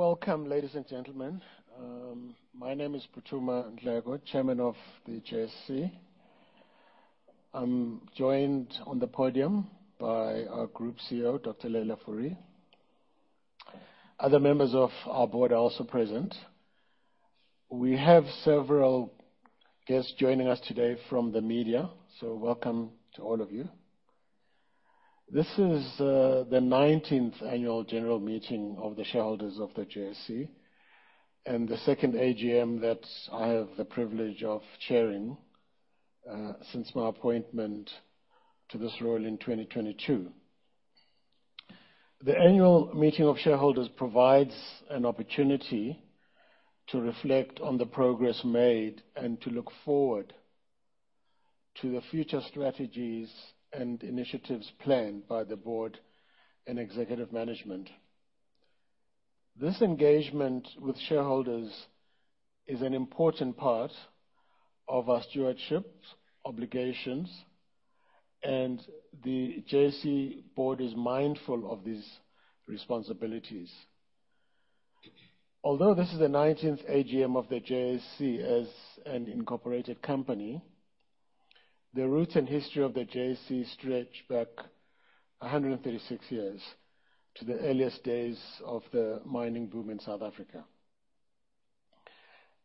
Warm welcome, ladies and gentlemen. My name is Phuthuma Nhleko, Chairman of the JSE. I'm joined on the podium by our Group CEO, Dr. Leila Fourie. Other members of our board are also present. We have several guests joining us today from the media, so welcome to all of you. This is the nineteenth Annual General Meeting of the Shareholders of the JSE, and the second AGM that I have the privilege of chairing since my appointment to this role in 2022. The annual meeting of shareholders provides an opportunity to reflect on the progress made and to look forward to the future strategies and initiatives planned by the board and executive management. This engagement with shareholders is an important part of our stewardship obligations, and the JSE board is mindful of these responsibilities. Although this is the nineteenth AGM of the JSE as an incorporated company, the roots and history of the JSE stretch back 136 years to the earliest days of the mining boom in South Africa.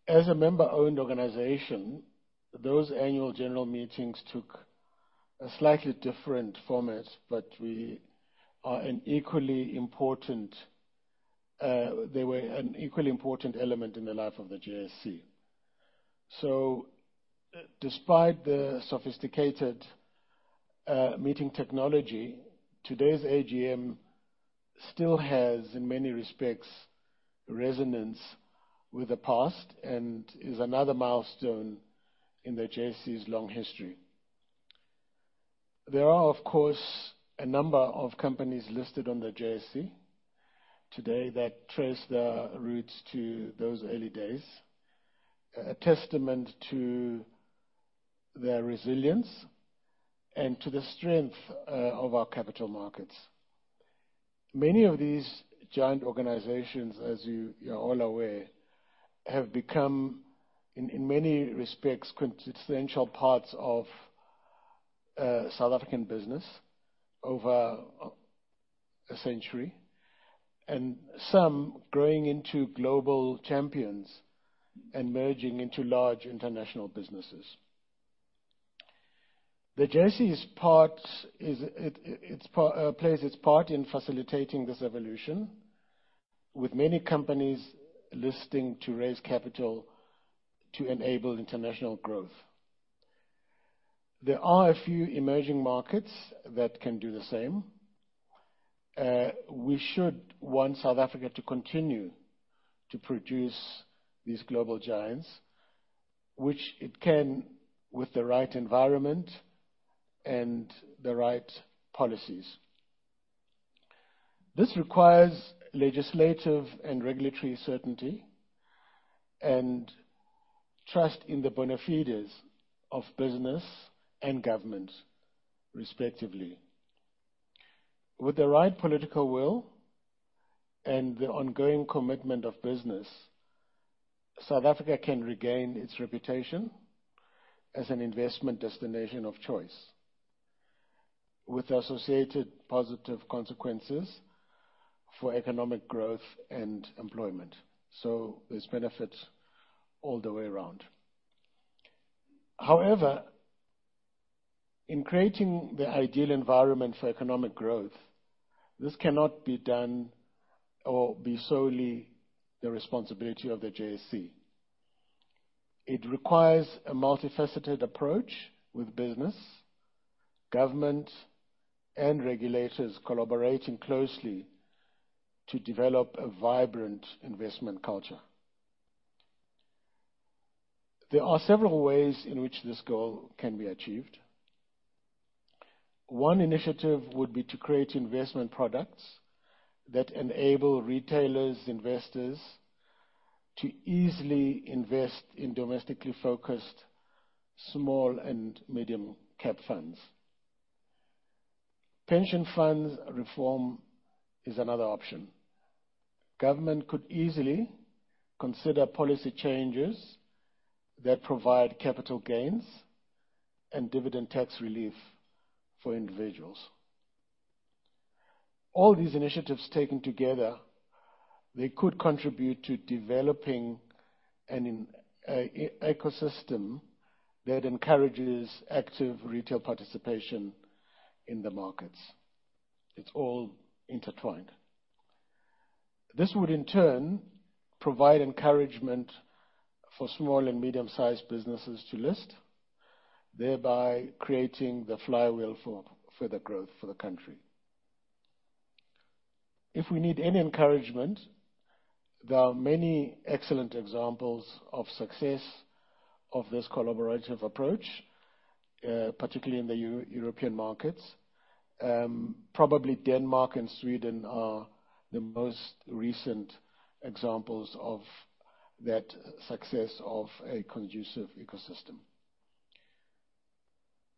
As a member-owned organization, those annual general meetings took a slightly different format, but we are an equally important, They were an equally important element in the life of the JSE. So despite the sophisticated, meeting technology, today's AGM still has, in many respects, resonance with the past and is another milestone in the JSE's long history. There are, of course, a number of companies listed on the JSE today that trace their roots to those early days, a testament to their resilience and to the strength, of our capital markets. Many of these giant organizations, as you, you are all aware, have become, in, in many respects, quintessential parts of South African business over a century, and some growing into global champions and merging into large international businesses. The JSE's part is, it, it, it plays its part in facilitating this evolution, with many companies listing to raise capital to enable international growth. There are a few emerging markets that can do the same. We should want South Africa to continue to produce these global giants, which it can, with the right environment and the right policies. This requires legislative and regulatory certainty and trust in the bona fides of business and government, respectively. With the right political will and the ongoing commitment of business, South Africa can regain its reputation as an investment destination of choice, with the associated positive consequences for economic growth and employment. So there's benefits all the way around. However, in creating the ideal environment for economic growth, this cannot be done or be solely the responsibility of the JSE. It requires a multifaceted approach with business, government, and regulators collaborating closely to develop a vibrant investment culture. There are several ways in which this goal can be achieved. One initiative would be to create investment products that enable retail investors, to easily invest in domestically focused, small and medium-cap funds. Pension funds reform is another option. Government could easily consider policy changes that provide capital gains and dividend tax relief for individuals. All these initiatives taken together, they could contribute to developing an ecosystem that encourages active retail participation in the markets. It's all intertwined. This would, in turn, provide encouragement for small and medium-sized businesses to list, thereby creating the flywheel for further growth for the country. If we need any encouragement, there are many excellent examples of success of this collaborative approach, particularly in the European markets. Probably Denmark and Sweden are the most recent examples of that success of a conducive ecosystem.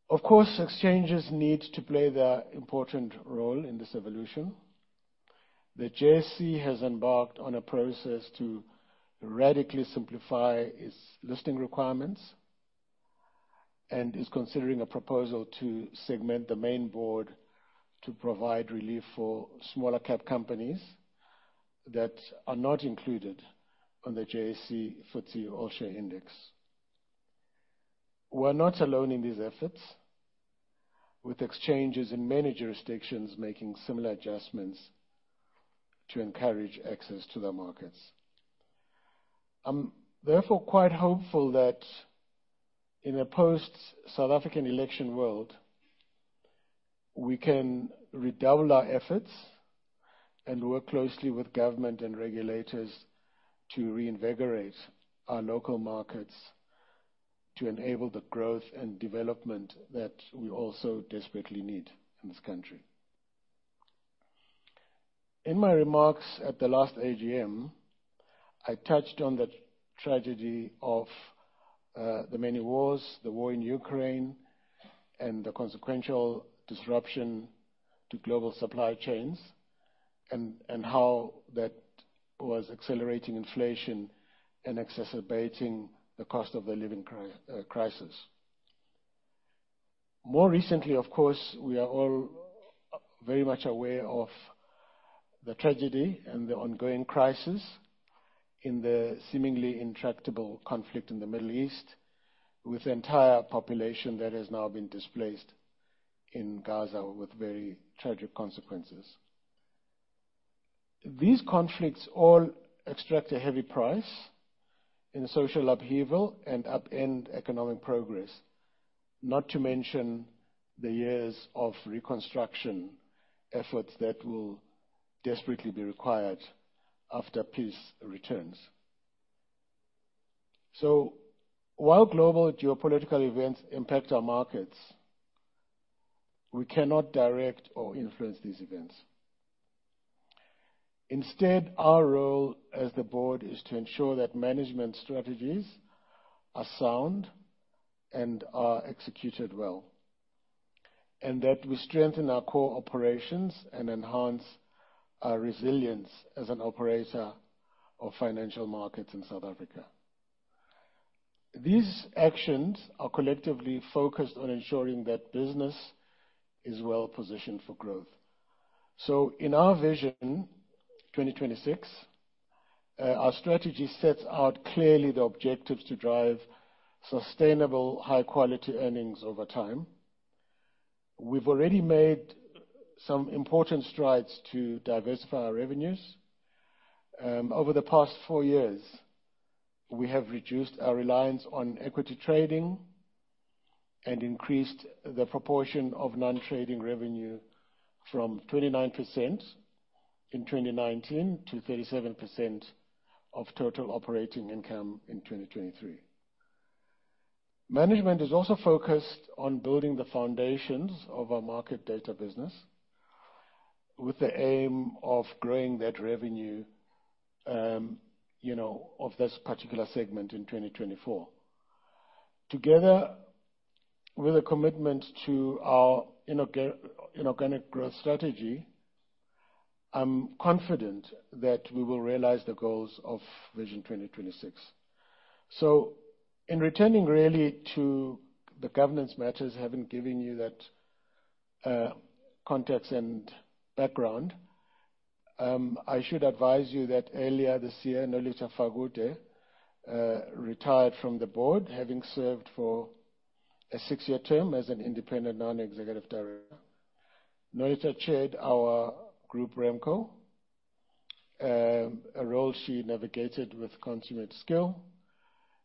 Of course, exchanges need to play their important role in this evolution. The JSE has embarked on a process to radically simplify its Listings Requirements, and is considering a proposal to segment the Main Board to provide relief for smaller cap companies that are not included on the JSE FTSE All Share Index. We're not alone in these efforts, with exchanges in many jurisdictions making similar adjustments to encourage access to their markets. I'm therefore quite hopeful that in a post-South African election world, we can redouble our efforts and work closely with government and regulators to reinvigorate our local markets, to enable the growth and development that we all so desperately need in this country. In my remarks at the last AGM, I touched on the tragedy of the many wars, the war in Ukraine, and the consequential disruption to global supply chains, and how that was accelerating inflation and exacerbating the cost of the living crisis. More recently, of course, we are all very much aware of the tragedy and the ongoing crisis in the seemingly intractable conflict in the Middle East, with the entire population that has now been displaced in Gaza with very tragic consequences. These conflicts all extract a heavy price in social upheaval and upend economic progress, not to mention the years of reconstruction efforts that will desperately be required after peace returns. So while global geopolitical events impact our markets, we cannot direct or influence these events. Instead, our role as the board is to ensure that management strategies are sound and are executed well, and that we strengthen our core operations and enhance our resilience as an operator of financial markets in South Africa. These actions are collectively focused on ensuring that business is well positioned for growth. So in our Vision 2026, our strategy sets out clearly the objectives to drive sustainable, high quality earnings over time. We've already made some important strides to diversify our revenues. Over the past four years, we have reduced our reliance on equity trading and increased the proportion of non-trading revenue from 29% in 2019 to 37% of total operating income in 2023. Management is also focused on building the foundations of our market data business, with the aim of growing that revenue, you know, of this particular segment in 2024. Together, with a commitment to our inorganic growth strategy, I'm confident that we will realize the goals of Vision 2026. So in returning really to the governance matters, having given you that, context and background, I should advise you that earlier this year, Nolitha Fakude retired from the board, having served for a six-year term as an independent non-executive director. Nolitha chaired our group RemCo, a role she navigated with consummate skill.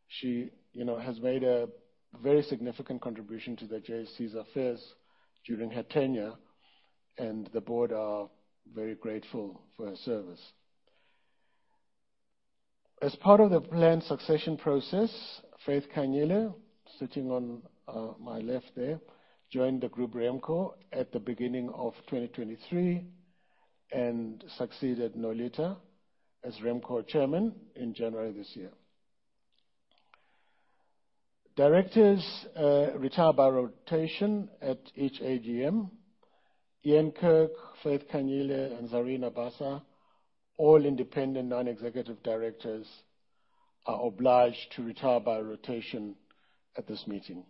She, you know, has made a very significant contribution to the JSE's affairs during her tenure, and the board are very grateful for her service. As part of the planned succession process, Faith Khanyile, sitting on my left there, joined the Group RemCo at the beginning of 2023 and succeeded Nolitha as RemCo chairman in January this year. Directors retire by rotation at each AGM. Ian Kirk, Faith Khanyile, and Zarina Bassa, all independent non-executive directors, are obliged to retire by rotation at this meeting.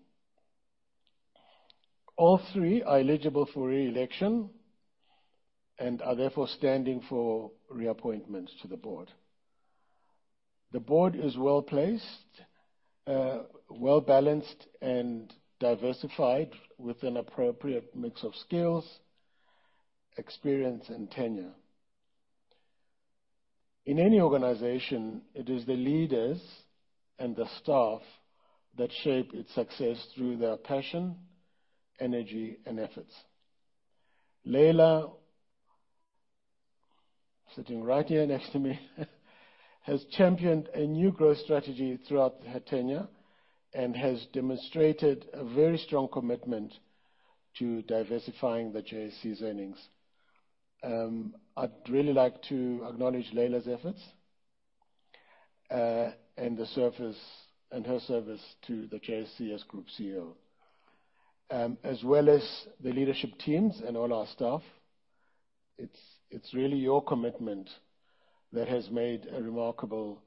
All three are eligible for re-election and are therefore standing for reappointments to the board. The board is well-placed, well-balanced and diversified with an appropriate mix of skills, experience, and tenure. In any organization, it is the leaders and the staff that shape its success through their passion, energy, and efforts. Leila, sitting right here next to me, has championed a new growth strategy throughout her tenure and has demonstrated a very strong commitment to diversifying the JSE's earnings. I'd really like to acknowledge Leila's efforts, and the service, and her service to the JSE as Group CEO, as well as the leadership teams and all our staff. It's really your commitment that has made a remarkable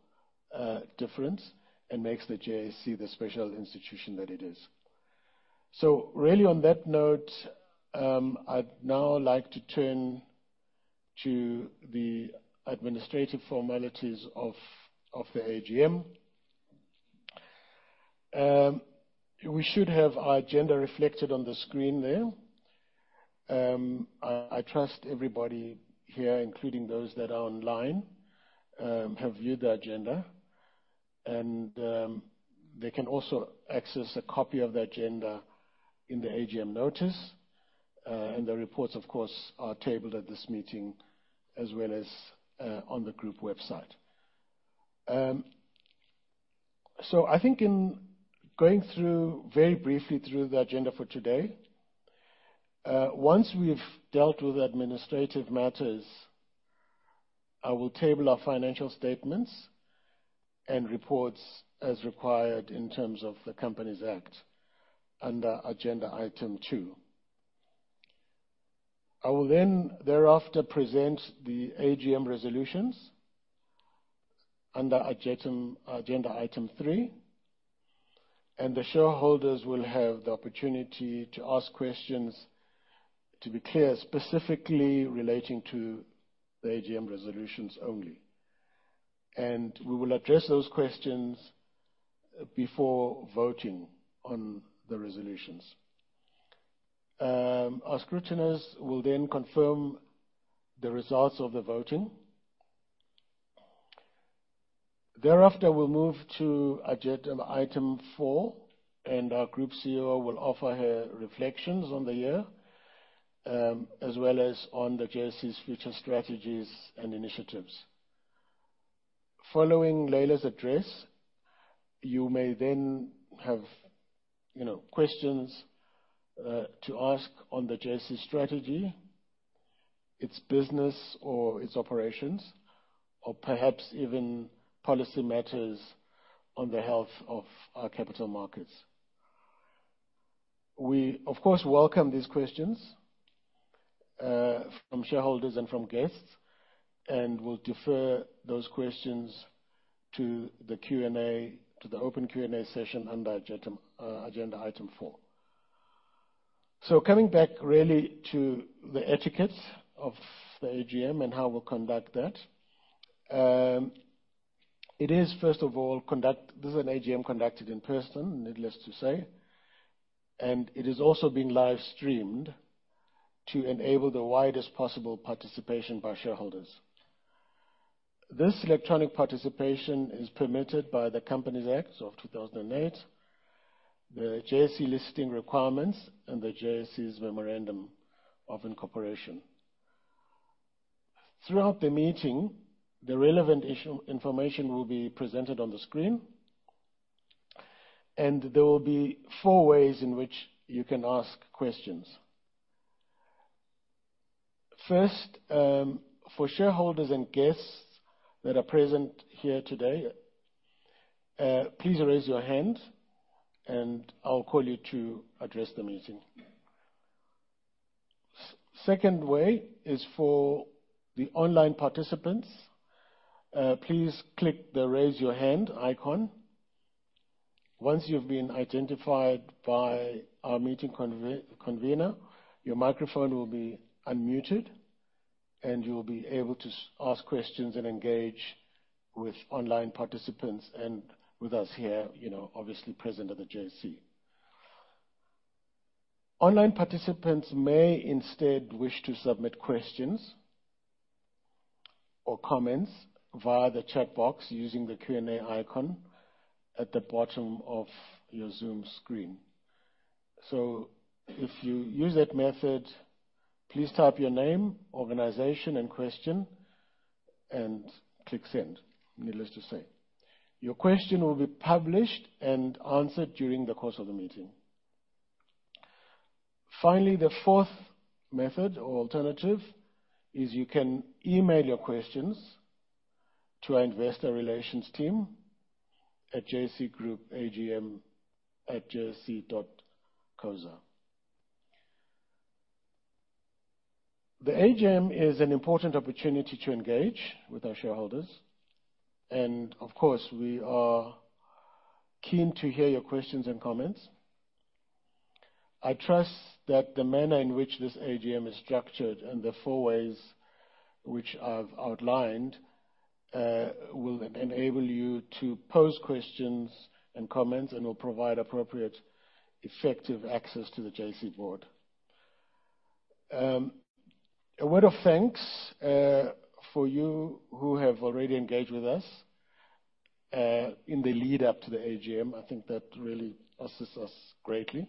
difference and makes the JSE the special institution that it is. So really, on that note, I'd now like to turn to the administrative formalities of the AGM. We should have our agenda reflected on the screen there. I trust everybody here, including those that are online, have viewed the agenda, and they can also access a copy of the agenda in the AGM notice. And the reports, of course, are tabled at this meeting, as well as on the group website. So I think in going through very briefly through the agenda for today, once we've dealt with administrative matters, I will table our financial statements and reports as required in terms of the Companies Act under agenda item two. I will then thereafter present the AGM resolutions under agenda item three, and the shareholders will have the opportunity to ask questions, to be clear, specifically relating to the AGM resolutions only. And we will address those questions before voting on the resolutions. Our scrutinizers will then confirm the results of the voting. Thereafter, we'll move to agenda item four, and our Group CEO will offer her reflections on the year, as well as on the JSE's future strategies and initiatives. Following Leila's address, you may then have, you know, questions to ask on the JSE's strategy, its business or its operations, or perhaps even policy matters on the health of our capital markets. We, of course, welcome these questions from shareholders and from guests, and we'll defer those questions to the open Q&A session under agenda item four. Coming back really to the etiquette of the AGM and how we'll conduct that. This is an AGM conducted in person, needless to say, and it is also being live-streamed to enable the widest possible participation by shareholders. This electronic participation is permitted by the Companies Act of 2008, the JSE Listings Requirements, and the JSE's Memorandum of Incorporation. Throughout the meeting, the relevant information will be presented on the screen, and there will be four ways in which you can ask questions. First, for shareholders and guests that are present here today, please raise your hand and I'll call you to address the meeting. Second way is for the online participants. Please click the Raise Your Hand icon. Once you've been identified by our meeting convener, your microphone will be unmuted, and you'll be able to ask questions and engage with online participants and with us here, you know, obviously present at the JSE. Online participants may instead wish to submit questions or comments via the chat box using the Q&A icon at the bottom of your Zoom screen. So if you use that method, please type your name, organization, and question and click Send, needless to say. Your question will be published and answered during the course of the meeting. Finally, the fourth method or alternative is you can email your questions to our Investor Relations team at jsegroupagm@jse.co.za. The AGM is an important opportunity to engage with our shareholders, and of course, we are keen to hear your questions and comments. I trust that the manner in which this AGM is structured and the four ways which I've outlined will enable you to pose questions and comments, and will provide appropriate, effective access to the JSE board. A word of thanks for you who have already engaged with us in the lead-up to the AGM. I think that really assists us greatly.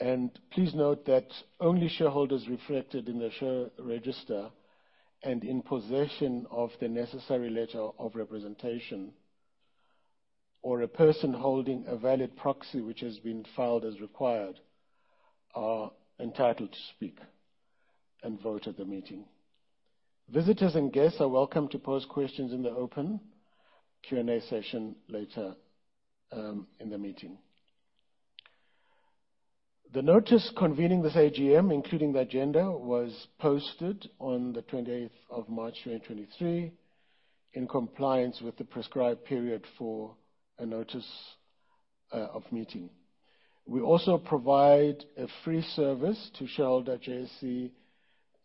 And please note that only shareholders reflected in the share register and in possession of the necessary letter of representation... or a person holding a valid proxy which has been filed as required, are entitled to speak and vote at the meeting. Visitors and guests are welcome to pose questions in the open Q&A session later, in the meeting. The notice convening this AGM, including the agenda, was posted on the 28th of March 2023, in compliance with the prescribed period for a notice, of meeting. We also provide a free service to shareholder JSE,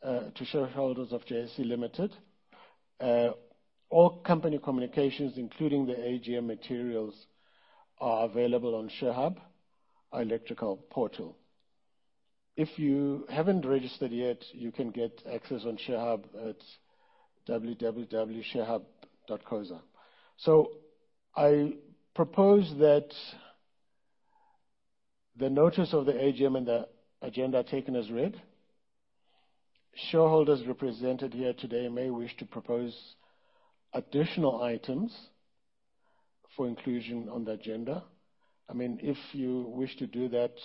to shareholders of JSE Limited. All company communications, including the AGM materials, are available on ShareHub, our electronic portal. If you haven't registered yet, you can get access on ShareHub at www.sharehub.co.za. So I propose that the notice of the AGM and the agenda are taken as read. Shareholders represented here today may wish to propose additional items for inclusion on the agenda. I mean, if you wish to do that,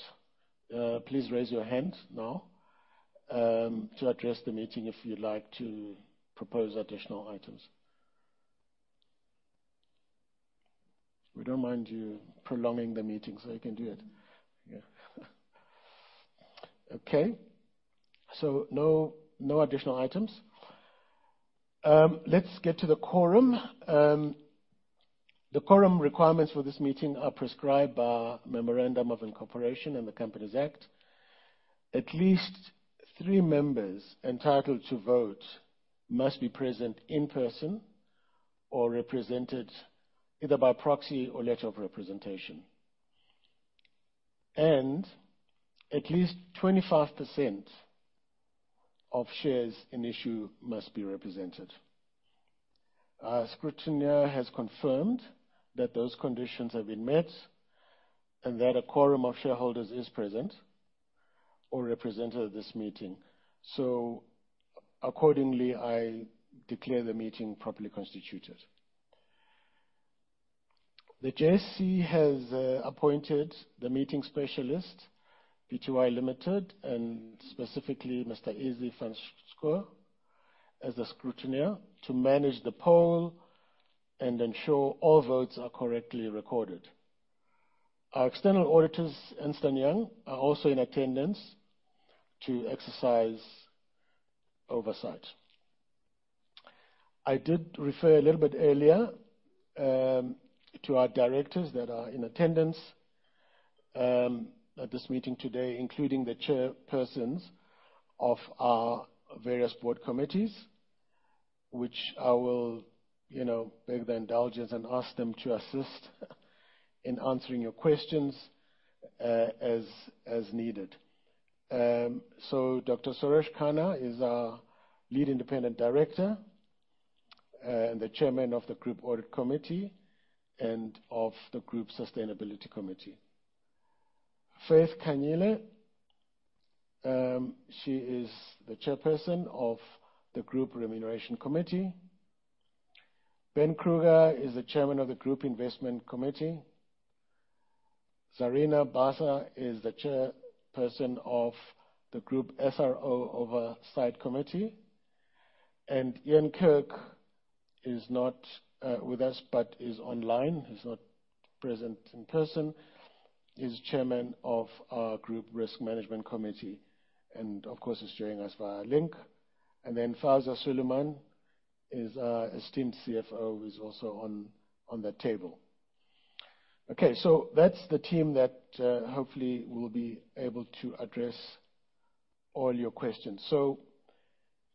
please raise your hand now, to address the meeting if you'd like to propose additional items. We don't mind you prolonging the meeting, so you can do it. Yeah. Okay, so no, no additional items. Let's get to the quorum. The quorum requirements for this meeting are prescribed by Memorandum of Incorporation and the Companies Act. At least three members entitled to vote must be present in person or represented either by proxy or letter of representation, and at least 25% of shares in issue must be represented. Our scrutineer has confirmed that those conditions have been met and that a quorum of shareholders is present or represented at this meeting. So accordingly, I declare the meeting properly constituted. The JSE has appointed The Meeting Specialist (Pty) Ltd and specifically Mr. Izzy Francis, as a scrutineer to manage the poll and ensure all votes are correctly recorded. Our external auditors, Ernst & Young, are also in attendance to exercise oversight. I did refer a little bit earlier to our directors that are in attendance at this meeting today, including the chairpersons of our various board committees, which I will, you know, beg their indulgence and ask them to assist in answering your questions, as needed. So Dr. Suresh Kana is our Lead Independent Director, and the Chairman of the Group Audit Committee and of the Group Sustainability Committee. Faith Khanyile, she is the Chairperson of the Group Remuneration Committee. Ben Kruger is the Chairman of the Group Investment Committee. Zarina Bassa is the Chairperson of the Group SRO Oversight Committee, and Ian Kirk is not with us, but is online. He's not present in person. He's Chairman of our Group Risk Management Committee, and of course, he's joining us via link. And then Fawzia Suliman is our esteemed CFO, who is also on the table. Okay, so that's the team that hopefully will be able to address all your questions. So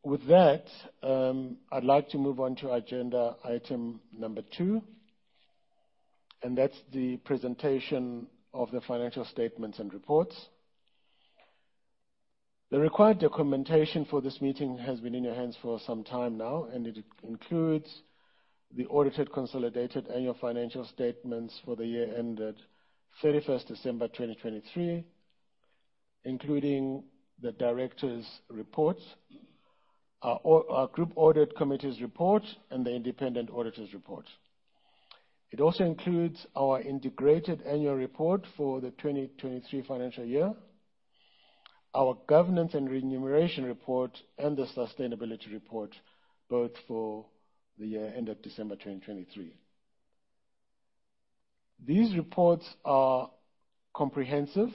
with that, I'd like to move on to agenda item number 2, and that's the presentation of the financial statements and reports. The required documentation for this meeting has been in your hands for some time now, and it includes the Audited Consolidated Annual Financial Statements for the year ended 31 December 2023, including the Directors' Reports, our au- our Group Audit Committee's report, and the Independent Auditors' Report. It also includes our Integrated Annual Report for the 2023 financial year, our Governance and Remuneration Report, and the Sustainability Report, both for the year end of December 2023. These reports are comprehensive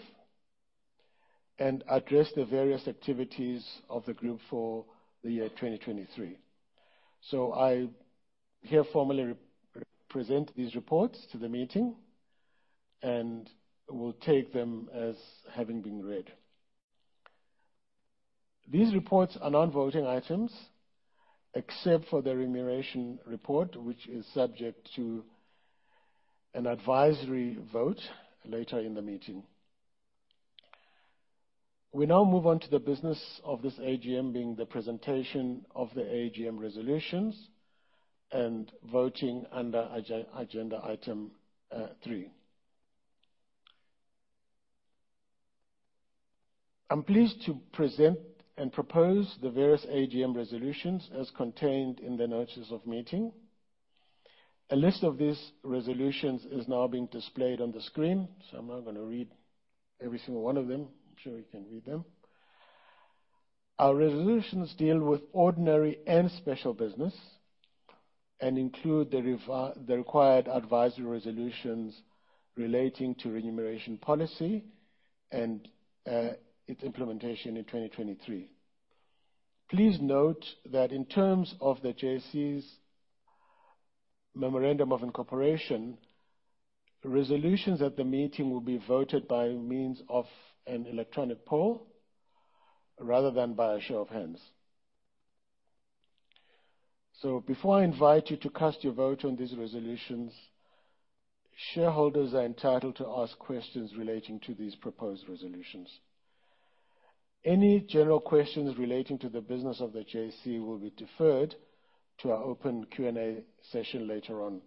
and address the various activities of the group for the year 2023. So I hereby formally re-present these reports to the meeting and will take them as having been read. These reports are non-voting items, except for the Remuneration Report, which is subject to an advisory vote later in the meeting. We now move on to the business of this AGM, being the presentation of the AGM resolutions and voting under agenda item 3. I'm pleased to present and propose the various AGM resolutions as contained in the notices of meeting. A list of these resolutions is now being displayed on the screen, so I'm not gonna read every single one of them. I'm sure you can read them. Our resolutions deal with ordinary and special business, and include the required advisory resolutions relating to remuneration policy and its implementation in 2023. Please note that in terms of the JSE's Memorandum of Incorporation, resolutions at the meeting will be voted by means of an electronic poll rather than by a show of hands. So before I invite you to cast your vote on these resolutions, shareholders are entitled to ask questions relating to these proposed resolutions. Any general questions relating to the business of the JSE will be deferred to our open Q&A session later on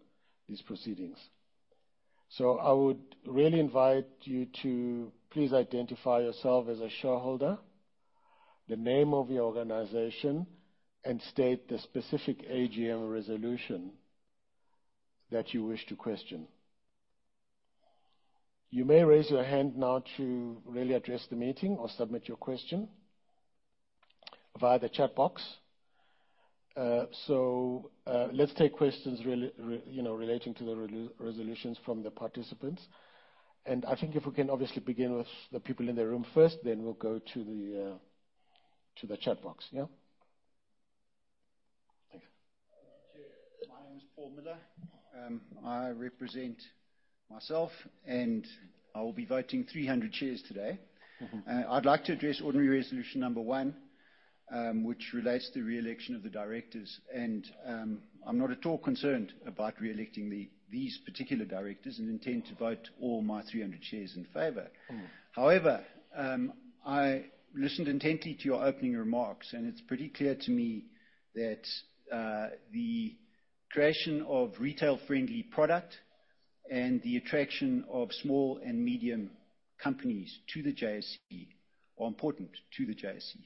these proceedings. So I would really invite you to please identify yourself as a shareholder, the name of your organization, and state the specific AGM resolution that you wish to question. You may raise your hand now to really address the meeting or submit your question via the chat box. So, let's take questions, you know, relating to the resolutions from the participants. I think if we can obviously begin with the people in the room first, then we'll go to the chat box. Yeah? Thank you. My name is Paul Miller. I represent myself, and I will be voting 300 shares today. I'd like to address ordinary resolution number one, which relates to the re-election of the directors. I'm not at all concerned about re-electing these particular directors and intend to vote all my 300 shares in favor. However, I listened intently to your opening remarks, and it's pretty clear to me that, the creation of retail-friendly product and the attraction of small and medium companies to the JSE are important to the JSE.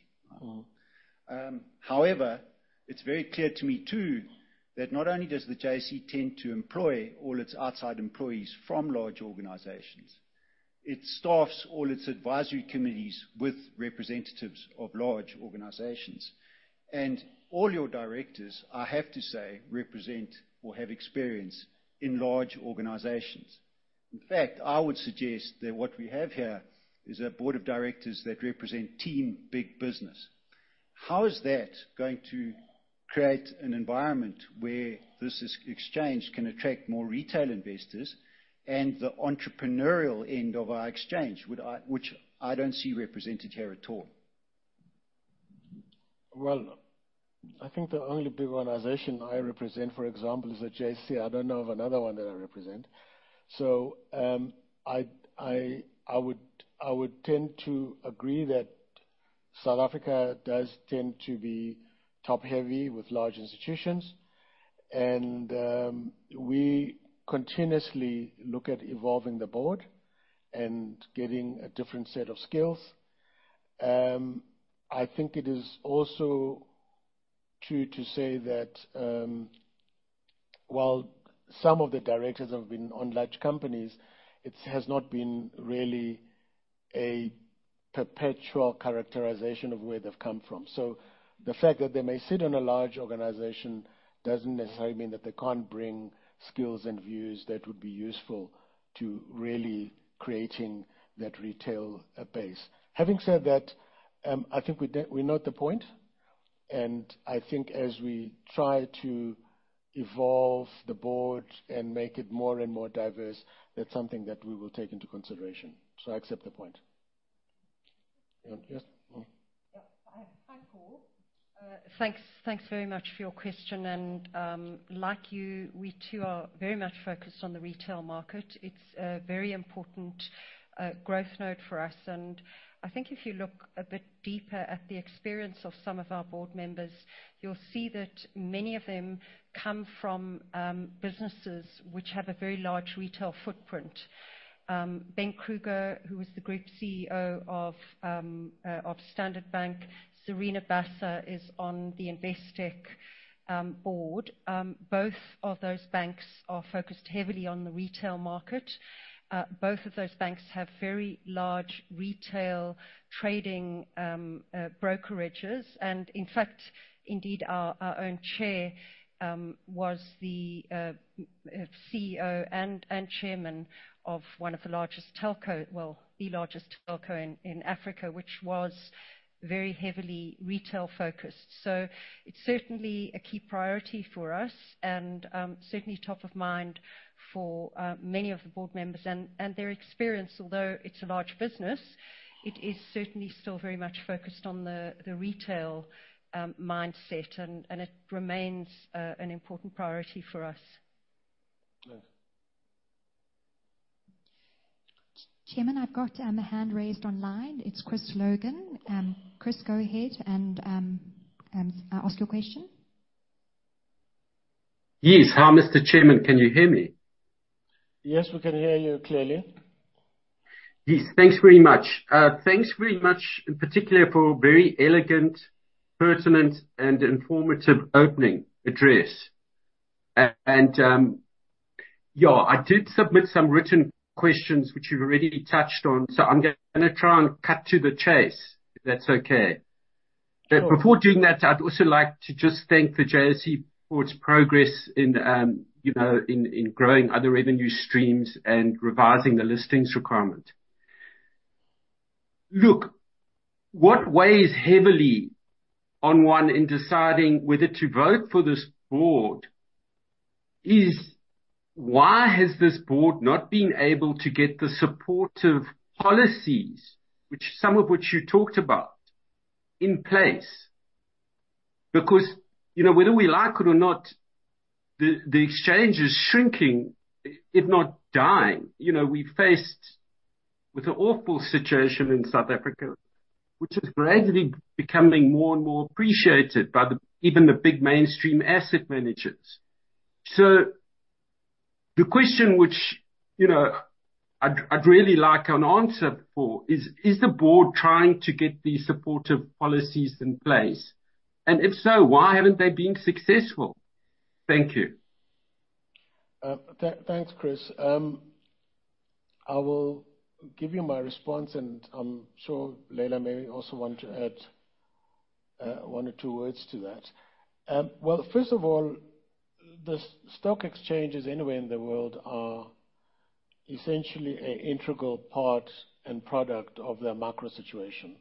However, it's very clear to me, too, that not only does the JSE tend to employ all its outside employees from large organizations, it staffs all its advisory committees with representatives of large organizations. And all your directors, I have to say, represent or have experience in large organizations. In fact, I would suggest that what we have here is a board of directors that represent Team Big Business. How is that going to create an environment where this exchange can attract more retail investors and the entrepreneurial end of our exchange, which I don't see represented here at all? Well, I think the only big organization I represent, for example, is the JSE. I don't know of another one that I represent. So, I would tend to agree that South Africa does tend to be top-heavy with large institutions, and we continuously look at evolving the board and getting a different set of skills. I think it is also true to say that while some of the directors have been on large companies, it has not been really a perpetual characterization of where they've come from. So the fact that they may sit on a large organization doesn't necessarily mean that they can't bring skills and views that would be useful to really creating that retail base. Having said that, I think we note the point, and I think as we try to evolve the board and make it more and more diverse, that's something that we will take into consideration. So I accept the point. Yes. Yeah. Hi, Paul. Thanks, thanks very much for your question, and, like you, we too are very much focused on the retail market. It's a very important growth node for us. And I think if you look a bit deeper at the experience of some of our board members, you'll see that many of them come from businesses which have a very large retail footprint. Ben Kruger, who is the group CEO of Standard Bank, Zarina Bassa, is on the Investec board. Both of those banks are focused heavily on the retail market. Both of those banks have very large retail trading brokerages. And in fact, indeed, our own chair was the CEO and chairman of one of the largest telco. Well, the largest telco in Africa, which was very heavily retail-focused. It's certainly a key priority for us and certainly top of mind for many of the board members. Their experience, although it's a large business, it is certainly still very much focused on the retail mindset, and it remains an important priority for us. Yeah. Chairman, I've got a hand raised online. It's Chris Logan. Chris, go ahead and ask your question.... Yes. Hi, Mr. Chairman, can you hear me? Yes, we can hear you clearly. Yes, thanks very much. Thanks very much, in particular, for a very elegant, pertinent, and informative opening address. And, yeah, I did submit some written questions which you've already touched on, so I'm gonna try and cut to the chase, if that's okay. Sure. But before doing that, I'd also like to just thank the JSE for its progress in, you know, in growing other revenue streams and revising the Listings Requirements. Look, what weighs heavily on one in deciding whether to vote for this board is: why has this board not been able to get the supportive policies, which some of which you talked about, in place? Because, you know, whether we like it or not, the exchange is shrinking, if not dying. You know, we faced with an awful situation in South Africa, which is gradually becoming more and more appreciated by even the big mainstream asset managers. So the question which, you know, I'd really like an answer for is: Is the board trying to get these supportive policies in place? And if so, why haven't they been successful? Thank you. Thanks, Chris. I will give you my response, and I'm sure Leila may also want to add one or two words to that. Well, first of all, the stock exchanges anywhere in the world are essentially an integral part and product of their macro situation,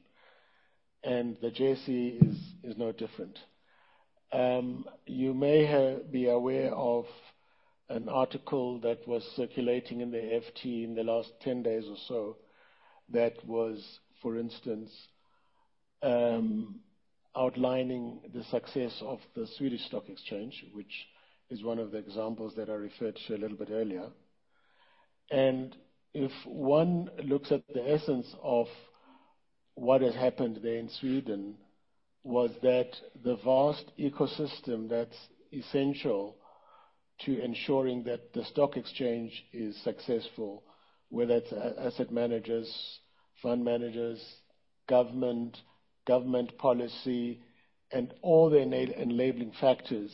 and the JSE is no different. You may be aware of an article that was circulating in the FT in the last 10 days or so, that was, for instance, outlining the success of the Swedish Stock Exchange, which is one of the examples that I referred to a little bit earlier. If one looks at the essence of what has happened there in Sweden, it was that the vast ecosystem that's essential to ensuring that the stock exchange is successful, whether it's asset managers, fund managers, government, government policy, and all the enabling factors,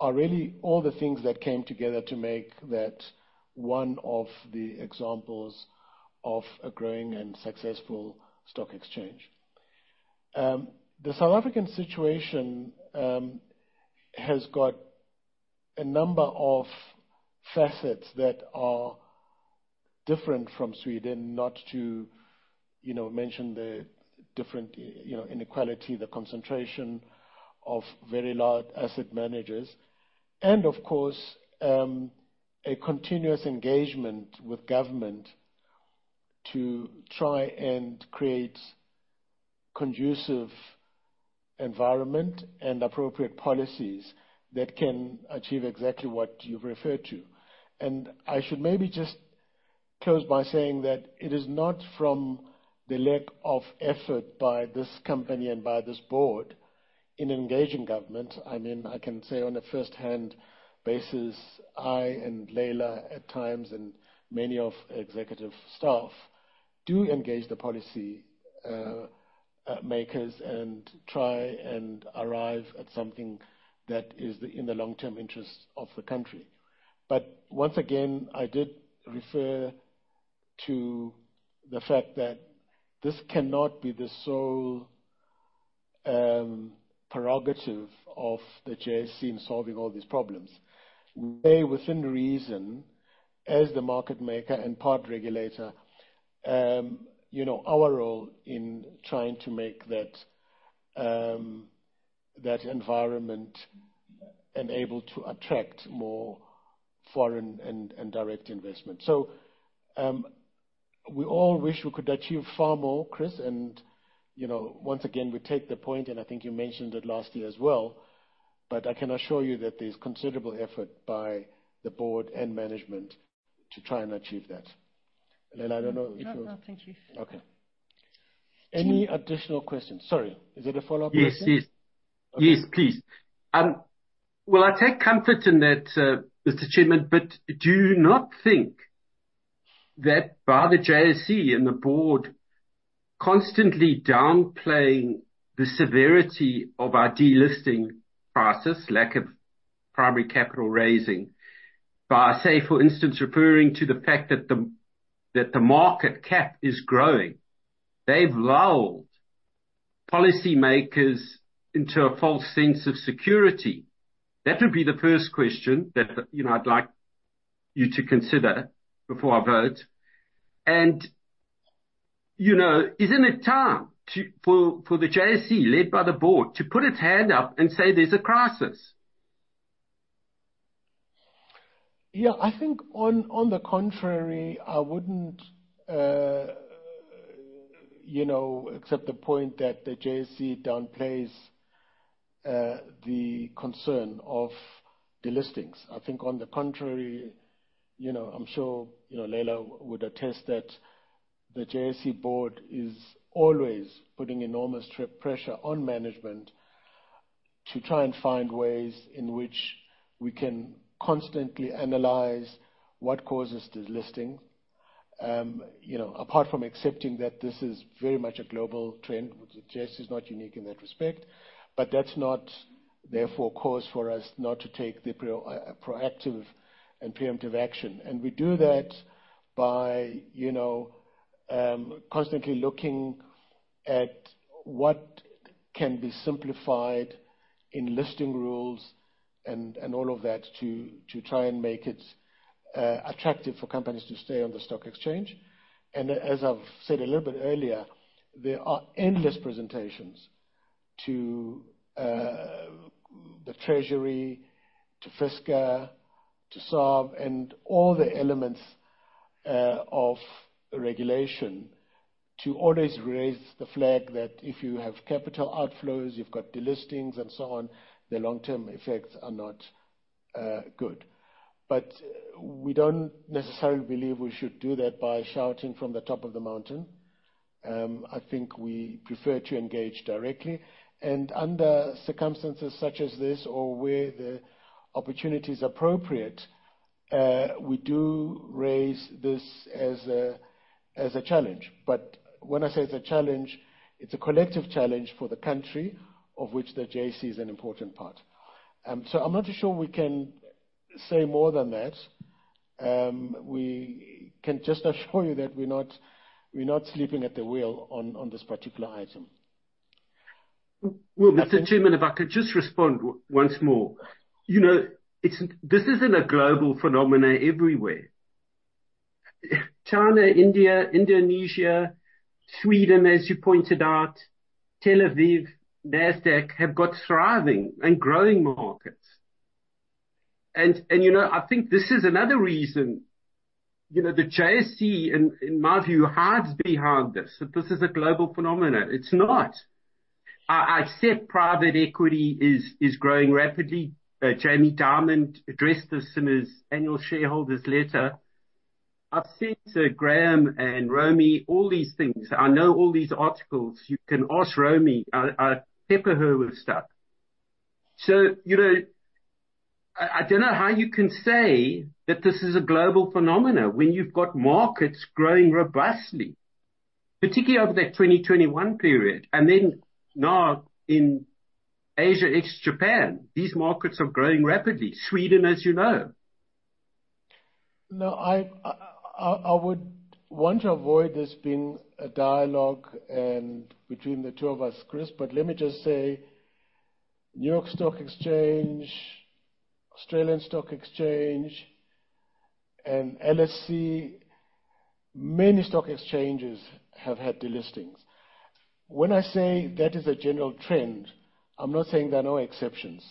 are really all the things that came together to make that one of the examples of a growing and successful stock exchange. The South African situation has got a number of facets that are different from Sweden, not to, you know, mention the different, you know, inequality, the concentration of very large asset managers, and of course, a continuous engagement with government to try and create conducive environment and appropriate policies that can achieve exactly what you've referred to. I should maybe just close by saying that it is not from the lack of effort by this company and by this board in engaging government. I mean, I can say on a first-hand basis, I and Leila, at times, and many of executive staff, do engage the policy makers and try and arrive at something that is in the long-term interest of the country. But once again, I did refer to the fact that this cannot be the sole prerogative of the JSE in solving all these problems. We, within reason, as the market maker and part regulator, you know, our role in trying to make that, that environment and able to attract more foreign and direct investment. So, we all wish we could achieve far more, Chris, and, you know, once again, we take the point, and I think you mentioned it last year as well, but I can assure you that there's considerable effort by the board and management to try and achieve that. Leila, I don't know if you- No, no, thank you. Okay. Any additional questions? Sorry, is it a follow-up question? Yes, yes. Okay. Yes, please. Well, I take comfort in that, Mr. Chairman, but do you not think that by the JSE and the board constantly downplaying the severity of our delisting crisis, lack of primary capital raising, by, say, for instance, referring to the fact that the, that the market cap is growing, they've lulled policymakers into a false sense of security? That would be the first question that, you know, I'd like you to consider before I vote. You know, isn't it time for the JSE, led by the board, to put its hand up and say, "There's a crisis? Yeah, I think on the contrary, I wouldn't, you know, accept the point that the JSE downplays the concern of delistings. I think, on the contrary, you know, I'm sure, you know, Leila would attest that the JSE board is always putting enormous tremendous pressure on management to try and find ways in which we can constantly analyze what causes delisting. You know, apart from accepting that this is very much a global trend, which JSE is not unique in that respect. But that's not therefore cause for us not to take the proactive and preemptive action. And we do that by, you know, constantly looking at what can be simplified in listing rules and, and all of that, to try and make it attractive for companies to stay on the stock exchange. As I've said a little bit earlier, there are endless presentations to the Treasury, to FSCA, to SARB, and all the elements of regulation, to always raise the flag that if you have capital outflows, you've got delistings and so on, the long-term effects are not good. But we don't necessarily believe we should do that by shouting from the top of the mountain. I think we prefer to engage directly. Under circumstances such as this or where the opportunity is appropriate, we do raise this as a, as a challenge. But when I say it's a challenge, it's a collective challenge for the country, of which the JSE is an important part. So I'm not sure we can say more than that. We can just assure you that we're not, we're not sleeping at the wheel on this particular item. Well, Mr. Chairman, if I could just respond once more. You know, it's this isn't a global phenomena everywhere. China, India, Indonesia, Sweden, as you pointed out, Tel Aviv, Nasdaq, have got thriving and growing markets. And, you know, I think this is another reason, you know, the JSE, in my view, hides behind this, that this is a global phenomena. It's not. I accept private equity is growing rapidly. Jamie Dimon addressed this in his annual shareholders' letter. I've said to Graeme and Romy, all these things. I know all these articles. You can ask Romy, I pepper her with stuff. So, you know, I don't know how you can say that this is a global phenomena when you've got markets growing robustly, particularly over that 2021 period. And then now in Asia, ex-Japan, these markets are growing rapidly. Sweden, as you know. No, I would want to avoid this being a dialogue and between the two of us, Chris, but let me just say, New York Stock Exchange, Australian Stock Exchange, and LSE, many stock exchanges have had delistings. When I say that is a general trend, I'm not saying there are no exceptions.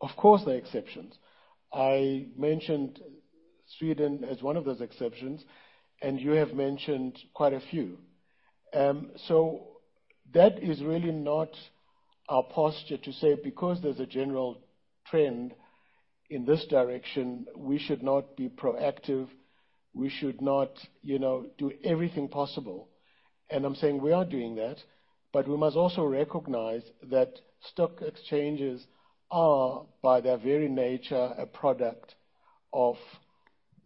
Of course, there are exceptions. I mentioned Sweden as one of those exceptions, and you have mentioned quite a few. So that is really not our posture to say, because there's a general trend in this direction, we should not be proactive, we should not, you know, do everything possible. And I'm saying we are doing that, but we must also recognize that stock exchanges are, by their very nature, a product of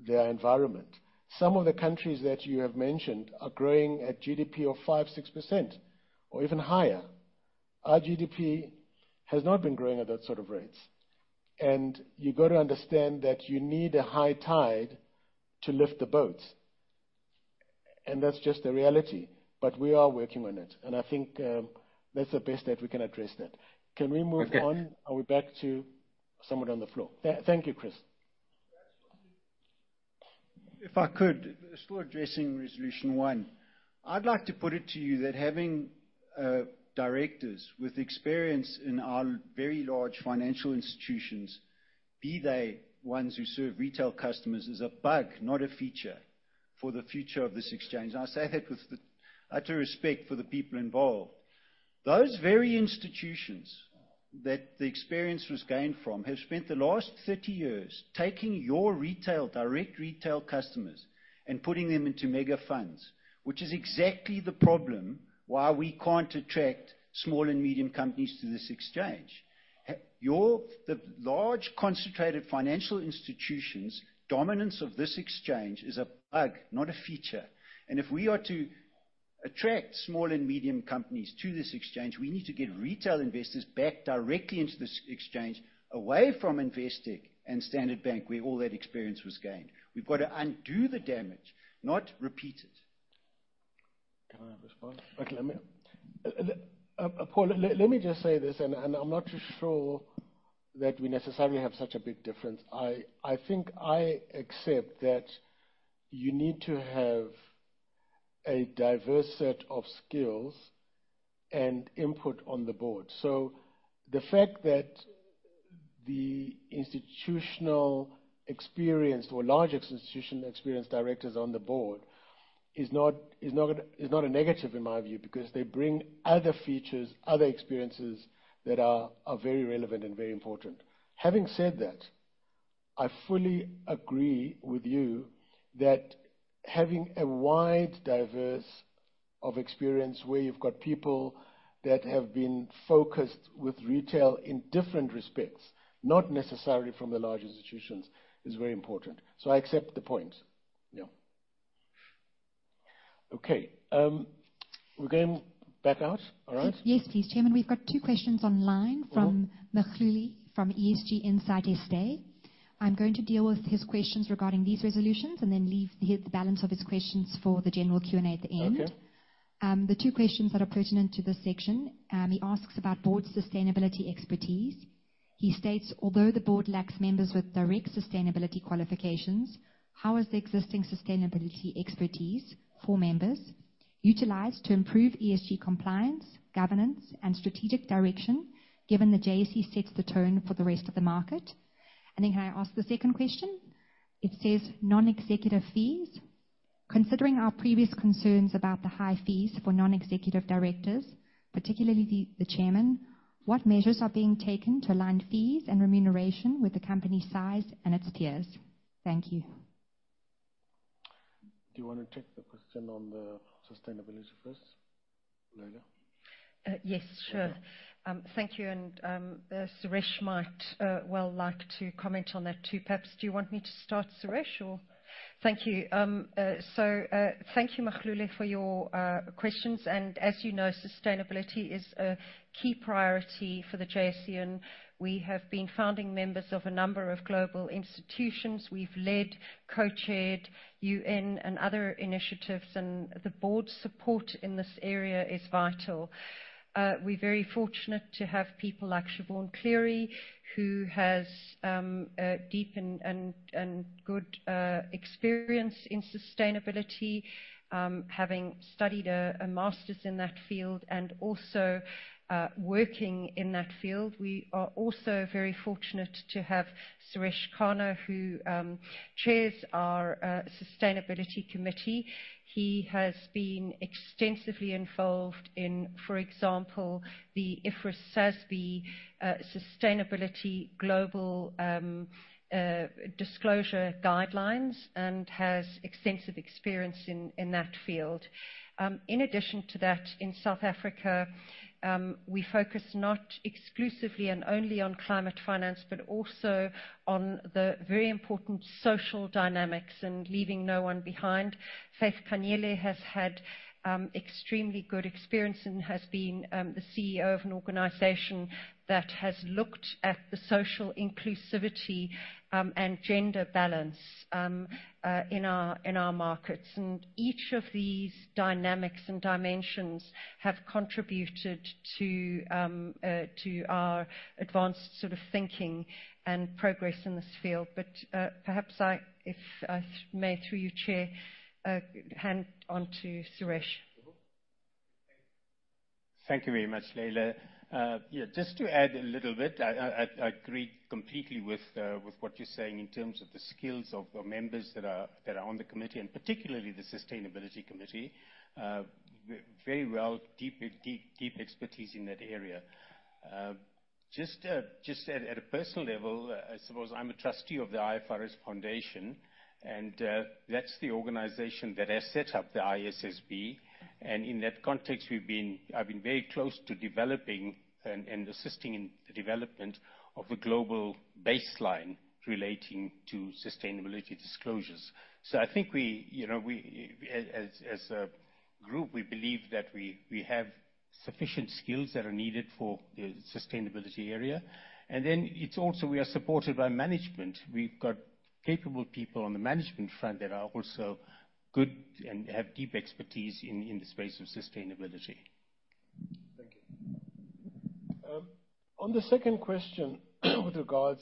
their environment. Some of the countries that you have mentioned are growing at GDP of 5%-6% or even higher. Our GDP has not been growing at that sort of rates. You got to understand that you need a high tide to lift the boats. That's just the reality. We are working on it, and I think, that's the best that we can address that. Can we move on? Okay. Are we back to someone on the floor? Thank you, Chris. If I could, still addressing resolution one. I'd like to put it to you that having directors with experience in our very large financial institutions, be they ones who serve retail customers, is a bug, not a feature, for the future of this exchange. I say that with the utter respect for the people involved. Those very institutions that the experience was gained from have spent the last 30 years taking your retail, direct retail customers and putting them into mega funds. Which is exactly the problem why we can't attract small and medium companies to this exchange. The large, concentrated financial institutions' dominance of this exchange is a bug, not a feature. If we are to attract small and medium companies to this exchange, we need to get retail investors back directly into this exchange, away from Investec and Standard Bank, where all that experience was gained. We've got to undo the damage, not repeat it. Can I respond? Okay, let me, Paul, let me just say this, and I'm not too sure that we necessarily have such a big difference. I think I accept that you need to have a diverse set of skills and input on the board. So the fact that the institutional experience or large institution experience directors on the board is not a negative in my view, because they bring other features, other experiences that are very relevant and very important. Having said that, I fully agree with you that having a wide diversity of experience, where you've got people that have been focused with retail in different respects, not necessarily from the large institutions, is very important. So I accept the point. Yeah. Okay, we're going back out, all right? Yes, please, Chairman. We've got two questions online from Mkhululi from ESG Insight. I'm going to deal with his questions regarding these resolutions and then leave his, the balance of his questions for the general Q&A at the end. Okay. The two questions that are pertinent to this section, he asks about board sustainability expertise. He states, "Although the board lacks members with direct sustainability qualifications, how is the existing sustainability expertise for members utilized to improve ESG compliance, governance, and strategic direction, given the JSE sets the tone for the rest of the market?" And then can I ask the second question? It says, "Non-executive fees. Considering our previous concerns about the high fees for non-executive directors, particularly the, the chairman, what measures are being taken to align fees and remuneration with the company's size and its peers?" Thank you. Do you wanna take the question on the sustainability first, Leila? Yes, sure. Thank you, and Suresh might well like to comment on that too. Perhaps, do you want me to start, Suresh, or? Thank you. So, thank you, Mkhululi, for your questions. As you know, sustainability is a key priority for the JSE, and we have been founding members of a number of global institutions. We've led, co-chaired UN and other initiatives, and the board's support in this area is vital. We're very fortunate to have people like Siobhan Cleary, who has deep and good experience in sustainability, having studied a master's in that field and also working in that field. We are also very fortunate to have Suresh Kana, who chairs our sustainability committee. He has been extensively involved in, for example, the IFRS SASB, Sustainability Global, Disclosure Guidelines and has extensive experience in that field. In addition to that, in South Africa, we focus not exclusively and only on climate finance, but also on the very important social dynamics and leaving no one behind. Faith Khanyile has had extremely good experience and has been the CEO of an organization that has looked at the social inclusivity and gender balance in our markets. And each of these dynamics and dimensions have contributed to our advanced sort of thinking and progress in this field. But perhaps I, if I may, through you, Chair, hand on to Suresh. Thank you very much, Leila. Yeah, just to add a little bit, I agree completely with what you're saying in terms of the skills of the members that are on the committee, and particularly the Sustainability Committee. Very well, deep, deep, deep expertise in that area. Just at a personal level, I suppose I'm a trustee of the IFRS Foundation, and that's the organization that has set up the ISSB. And in that context, I've been very close to developing and assisting in the development of a global baseline relating to sustainability disclosures. So I think we, you know, we, as a group, we believe that we have sufficient skills that are needed for the sustainability area. And then it's also, we are supported by management. We've got capable people on the management front that are also good and have deep expertise in the space of sustainability. Thank you. On the second question, with regards,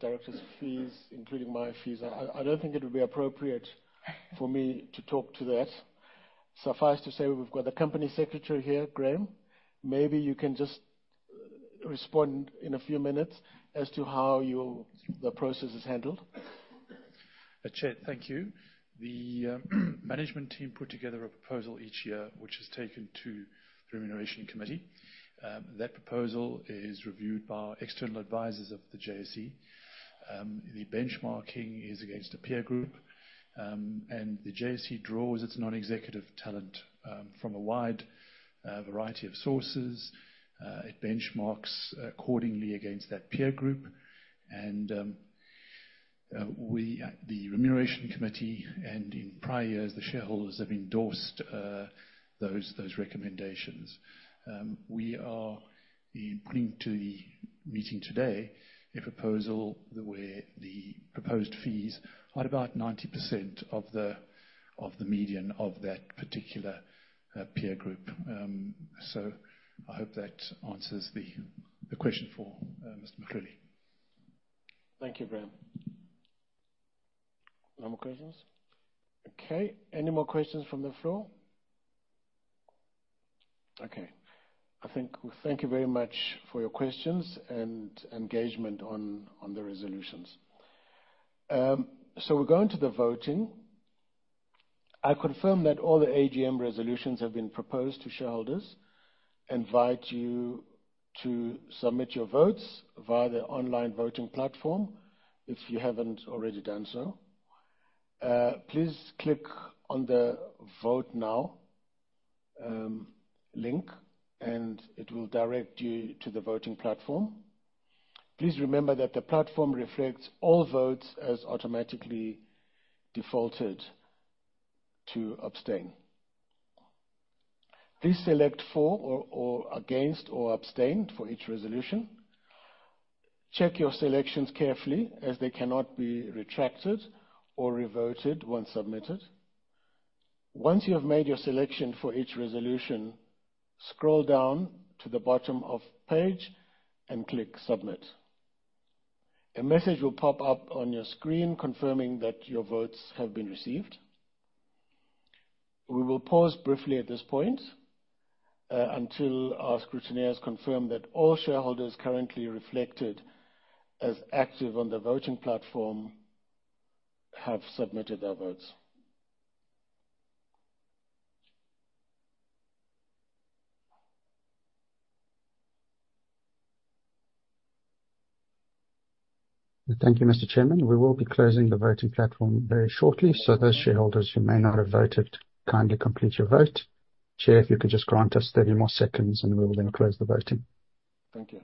director's fees, including my fees, I don't think it would be appropriate for me to talk to that. Suffice to say, we've got the company secretary here. Graeme, maybe you can just respond in a few minutes as to how the process is handled. Chair, thank you. The management team put together a proposal each year, which is taken to the Remuneration Committee. That proposal is reviewed by external advisors of the JSE. The benchmarking is against a peer group, and the JSE draws its non-executive talent from a wide variety of sources. It benchmarks accordingly against that peer group. And we at the Remuneration Committee, and in prior years, the shareholders have endorsed those recommendations. We are bringing to the meeting today a proposal where the proposed fees are about 90% of the median of that particular peer group. So I hope that answers the question for Mr. Mkhululi. Thank you, Graeme. No more questions? Okay, any more questions from the floor? Okay, I think... We thank you very much for your questions and engagement on, on the resolutions. So we're going to the voting.... I confirm that all the AGM resolutions have been proposed to shareholders. Invite you to submit your votes via the online voting platform, if you haven't already done so. Please click on the Vote Now link, and it will direct you to the voting platform. Please remember that the platform reflects all votes as automatically defaulted to abstain. Please select For or, or Against or Abstain for each resolution. Check your selections carefully, as they cannot be retracted or re-voted once submitted. Once you have made your selection for each resolution, scroll down to the bottom of page and click Submit. A message will pop up on your screen, confirming that your votes have been received. We will pause briefly at this point, until our scrutineers confirm that all shareholders currently reflected as active on the voting platform have submitted their votes. Thank you, Mr. Chairman. We will be closing the voting platform very shortly. Those shareholders who may not have voted, kindly complete your vote. Chair, if you could just grant us 30 more seconds, and we will then close the voting. Thank you.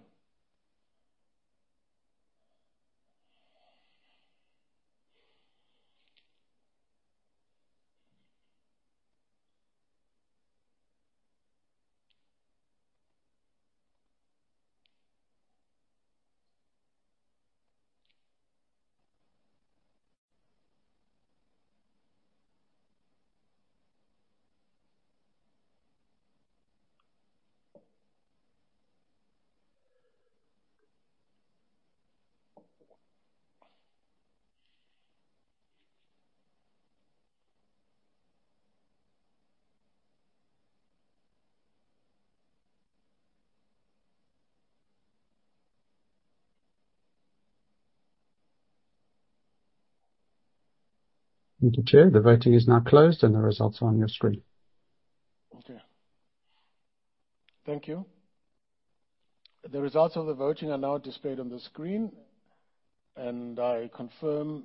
Thank you, Chair. The voting is now closed, and the results are on your screen. Okay. Thank you. The results of the voting are now displayed on the screen, and I confirm,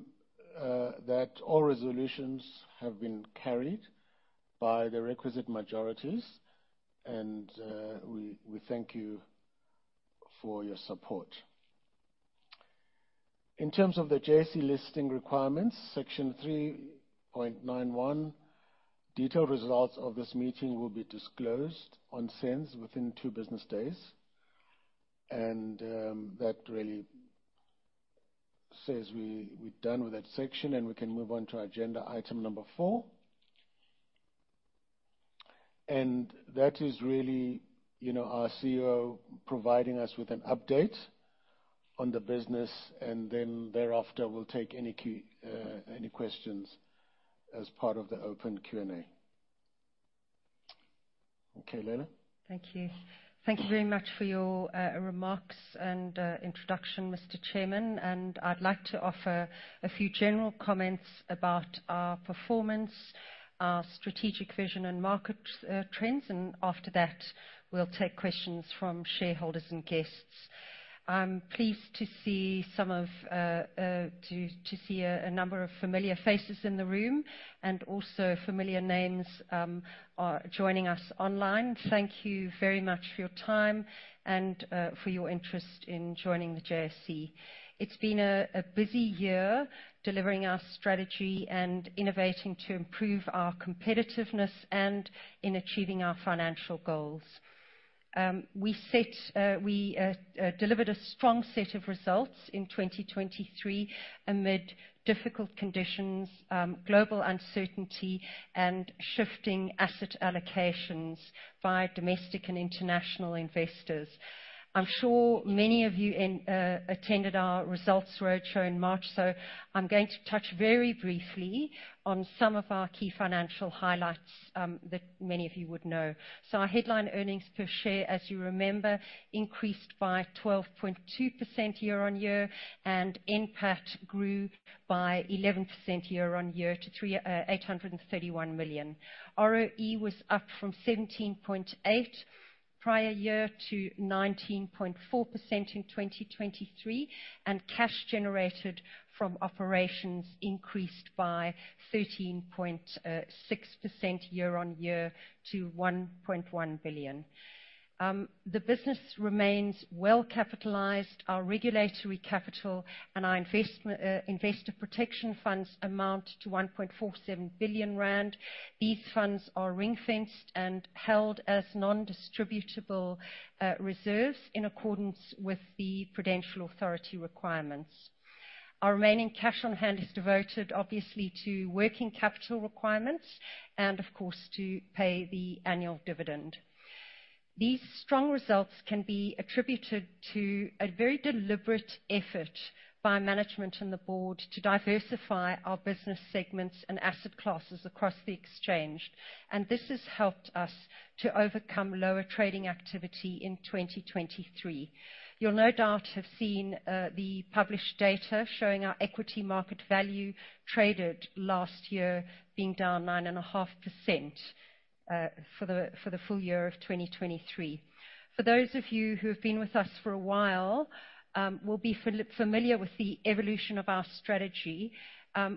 that all resolutions have been carried by the requisite majorities, and, we, we thank you for your support. In terms of the JSE Listings Requirements, Section 3.91, detailed results of this meeting will be disclosed on SENS within 2 business days. And, that really says we, we're done with that section, and we can move on to our agenda item number 4. And that is really, you know, our CEO providing us with an update on the business, and then thereafter, we'll take any questions as part of the open Q&A. Okay, Leila. Thank you. Thank you very much for your remarks and introduction, Mr. Chairman, and I'd like to offer a few general comments about our performance, our strategic vision, and market trends, and after that, we'll take questions from shareholders and guests. I'm pleased to see a number of familiar faces in the room, and also familiar names are joining us online. Thank you very much for your time and for your interest in joining the JSE. It's been a busy year delivering our strategy and innovating to improve our competitiveness and in achieving our financial goals. We delivered a strong set of results in 2023 amid difficult conditions, global uncertainty, and shifting asset allocations by domestic and international investors. I'm sure many of you attended our results roadshow in March, so I'm going to touch very briefly on some of our key financial highlights that many of you would know. Our headline earnings per share, as you remember, increased by 12.2% year-on-year, and NPAT grew by 11% year-on-year to 831 million. ROE was up from 17.8 prior year to 19.4% in 2023, and cash generated from operations increased by 13.6% year-on-year to ZAR 1.1 billion. The business remains well-capitalized. Our regulatory capital and our investor protection funds amount to 1.47 billion rand. These funds are ring-fenced and held as non-distributable reserves in accordance with the Prudential Authority requirements. Our remaining cash on hand is devoted, obviously, to working capital requirements and, of course, to pay the annual dividend. These strong results can be attributed to a very deliberate effort by management and the board to diversify our business segments and asset classes across the exchange, and this has helped us to overcome lower trading activity in 2023. You'll no doubt have seen the published data showing our equity market value traded last year being down 9.5%, for the full year of 2023. For those of you who have been with us for a while, will be familiar with the evolution of our strategy,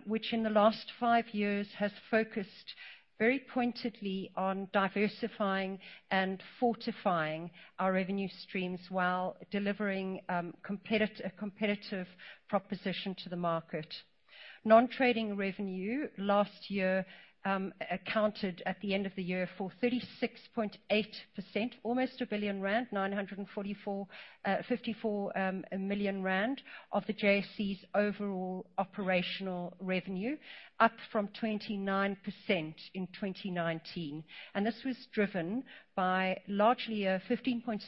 which in the last five years has focused very pointedly on diversifying and fortifying our revenue streams while delivering a competitive proposition to the market. Nontrading revenue last year accounted at the end of the year for 36.8%, almost ZAR 1 billion, ZAR 944.54 million, of the JSE's overall operational revenue, up from 29% in 2019. And this was driven by largely a 15.6%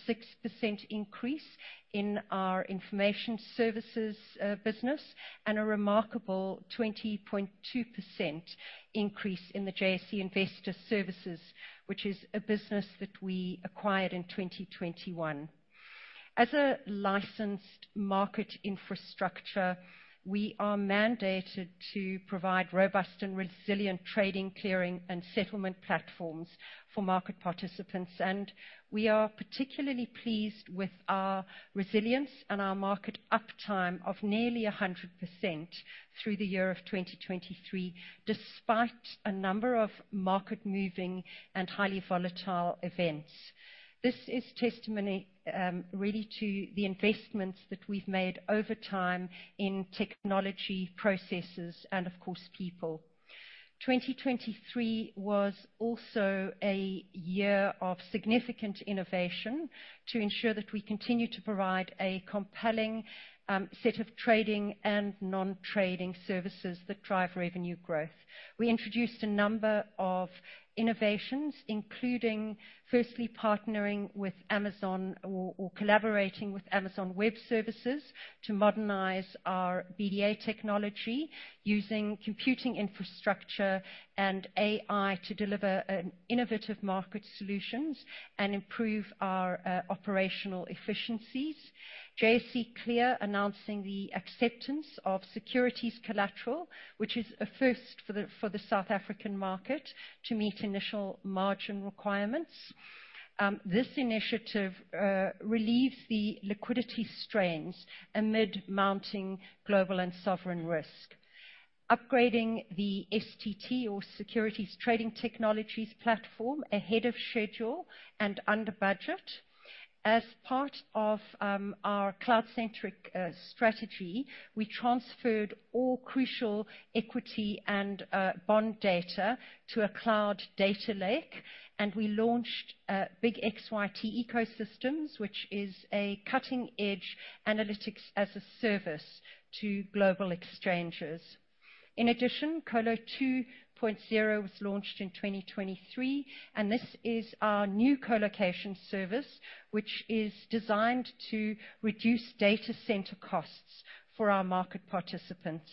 increase in our Information Services Business, and a remarkable 20.2% increase in the JSE Investor Services, which is a business that we acquired in 2021. As a licensed market infrastructure, we are mandated to provide robust and resilient trading, clearing, and settlement platforms for market participants, and we are particularly pleased with our resilience and our market uptime of nearly 100% through the year of 2023, despite a number of market-moving and highly volatile events. This is testimony, really, to the investments that we've made over time in technology, processes, and, of course, people. 2023 was also a year of significant innovation to ensure that we continue to provide a compelling set of trading and nontrading services that drive revenue growth. We introduced a number of innovations, including, firstly, partnering with Amazon or collaborating with Amazon Web Services to modernize our BDA technology using computing infrastructure and AI to deliver innovative market solutions and improve our operational efficiencies. JSE Clear announcing the acceptance of securities collateral, which is a first for the South African market, to meet initial margin requirements. This initiative relieves the liquidity strains amid mounting global and sovereign risk. Upgrading the STT, or Securities Trading Technology platform, ahead of schedule and under budget. As part of our cloud-centric strategy, we transferred all crucial equity and bond data to a cloud data lake, and we launched big xyt ecosystems, which is a cutting-edge analytics-as-a-service to global exchanges. In addition, Colo 2.0 was launched in 2023, and this is our new colocation service, which is designed to reduce data center costs for our market participants.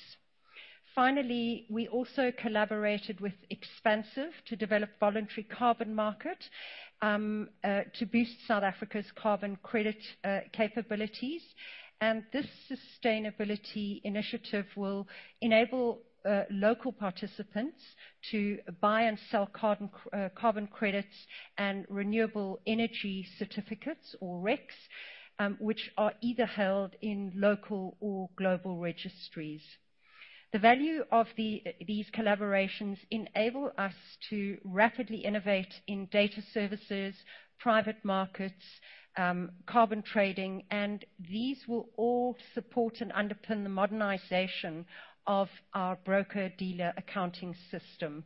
Finally, we also collaborated with Xpansiv to develop voluntary carbon market to boost South Africa's carbon credit capabilities, and this sustainability initiative will enable local participants to buy and sell carbon credits and renewable energy certificates, or RECs, which are either held in local or global registries. The value of these collaborations enable us to rapidly innovate in data services, private markets, carbon trading, and these will all support and underpin the modernization of our broker-dealer accounting system.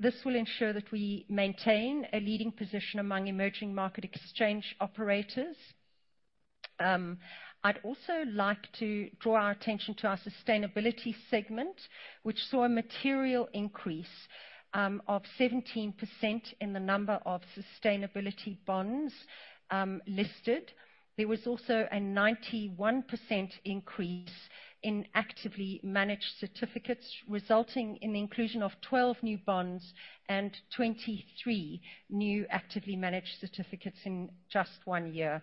This will ensure that we maintain a leading position among emerging market exchange operators. I'd also like to draw our attention to our sustainability segment, which saw a material increase of 17% in the number of sustainability bonds listed. There was also a 91% increase in actively managed certificates, resulting in the inclusion of 12 new bonds and 23 new actively managed certificates in just one year.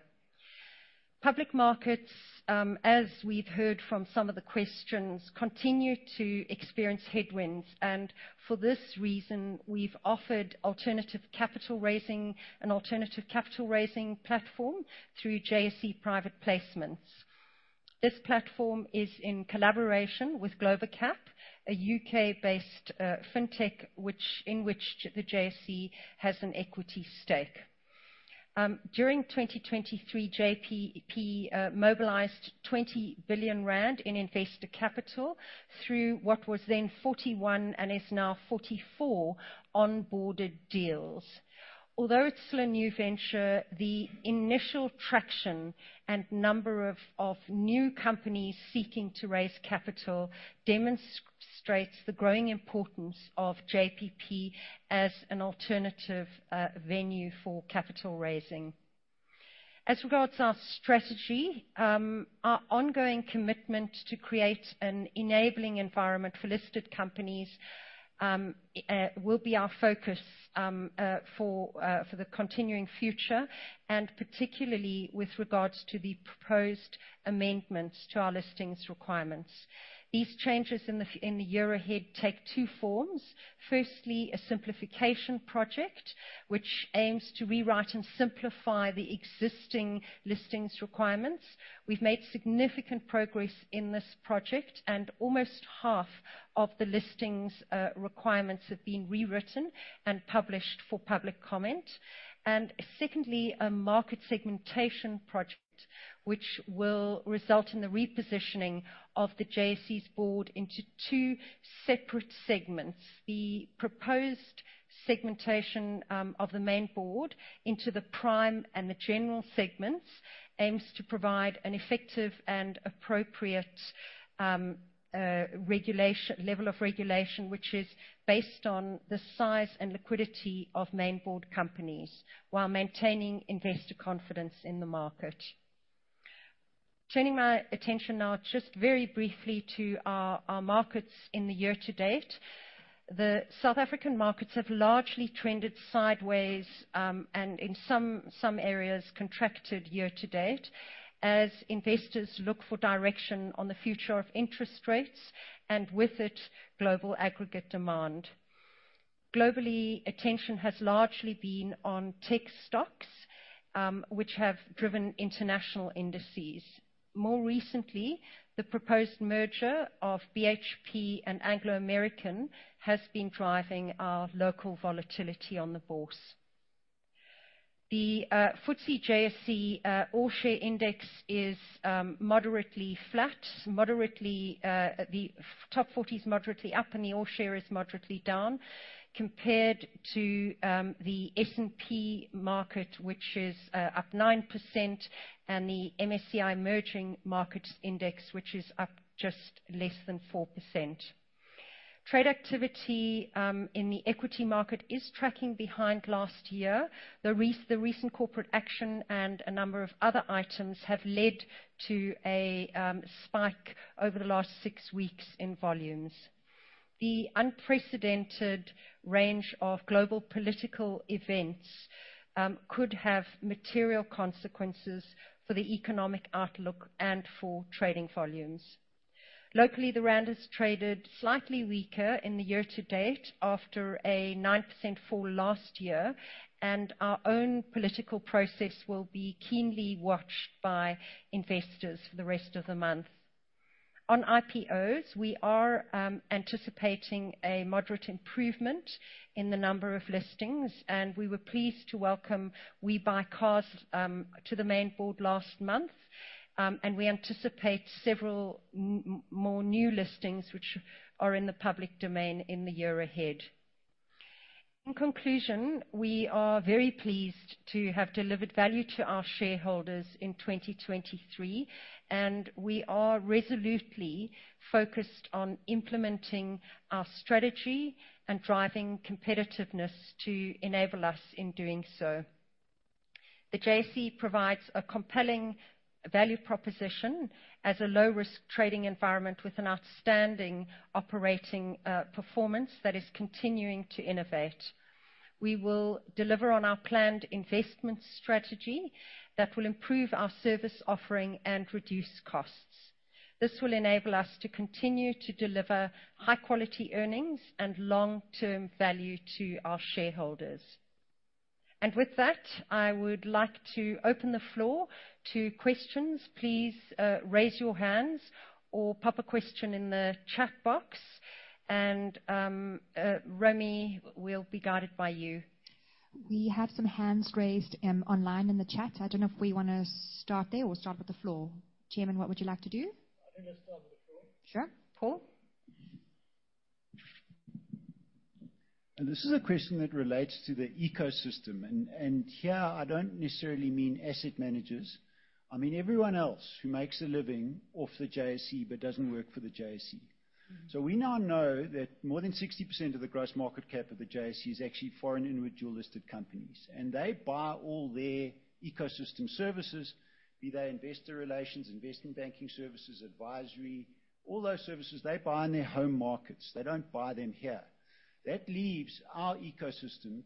Public markets, as we've heard from some of the questions, continue to experience headwinds, and for this reason, we've offered alternative capital raising and alternative capital raising platform through JSE Private Placements. This platform is in collaboration with Globacap, a U.K.-based fintech in which the JSE has an equity stake. During 2023, JPP mobilized 20 billion rand in investor capital through what was then 41 and is now 44 onboarded deals. Although it's still a new venture, the initial traction and number of new companies seeking to raise capital demonstrates the growing importance of JPP as an alternative venue for capital raising.... As regards our strategy, our ongoing commitment to create an enabling environment for listed companies will be our focus for the continuing future, and particularly with regards to the proposed amendments to our listings requirements. These changes in the year ahead take two forms: firstly, a simplification project, which aims to rewrite and simplify the existing listings requirements. We've made significant progress in this project, and almost half of the Listings Requirements have been rewritten and published for public comment. Secondly, a market segmentation project, which will result in the repositioning of the JSE's board into two separate segments. The proposed segmentation of the Main Board into the Prime and the General segments aims to provide an effective and appropriate level of regulation, which is based on the size and liquidity of Main Board companies, while maintaining investor confidence in the market. Turning my attention now just very briefly to our markets in the year to date. The South African markets have largely trended sideways, and in some areas, contracted year to date, as investors look for direction on the future of interest rates, and with it, global aggregate demand. Globally, attention has largely been on tech stocks, which have driven international indices. More recently, the proposed merger of BHP and Anglo American has been driving our local volatility on the bourse. The FTSE/JSE All Share Index is moderately flat, moderately. The Top 40 is moderately up, and the All Share is moderately down, compared to the S&P market, which is up 9%, and the MSCI Emerging Market Index, which is up just less than 4%. Trade activity in the equity market is tracking behind last year. The recent corporate action and a number of other items have led to a spike over the last six weeks in volumes. The unprecedented range of global political events could have material consequences for the economic outlook and for trading volumes. Locally, the rand has traded slightly weaker in the year to date, after a 9% fall last year, and our own political process will be keenly watched by investors for the rest of the month. On IPOs, we are anticipating a moderate improvement in the number of listings, and we were pleased to welcome WeBuyCars to the Main Board last month. And we anticipate several more new listings, which are in the public domain, in the year ahead. In conclusion, we are very pleased to have delivered value to our shareholders in 2023, and we are resolutely focused on implementing our strategy and driving competitiveness to enable us in doing so. The JSE provides a compelling value proposition as a low-risk trading environment with an outstanding operating performance that is continuing to innovate. We will deliver on our planned investment strategy that will improve our service offering and reduce costs. This will enable us to continue to deliver high quality earnings and long-term value to our shareholders. And with that, I would like to open the floor to questions. Please, raise your hands or pop a question in the chat box, and, Romy, we'll be guided by you. We have some hands raised, online in the chat. I don't know if we wanna start there or start with the floor. Chairman, what would you like to do? I think let's start with the floor. Sure. Paul? This is a question that relates to the ecosystem, and here, I don't necessarily mean asset managers. I mean, everyone else who makes a living off the JSE but doesn't work for the JSE. So we now know that more than 60% of the gross market cap of the JSE is actually foreign individually listed companies, and they buy all their ecosystem services, be they investor relations, investment banking services, advisory. All those services they buy in their home markets, they don't buy them here. That leaves our ecosystem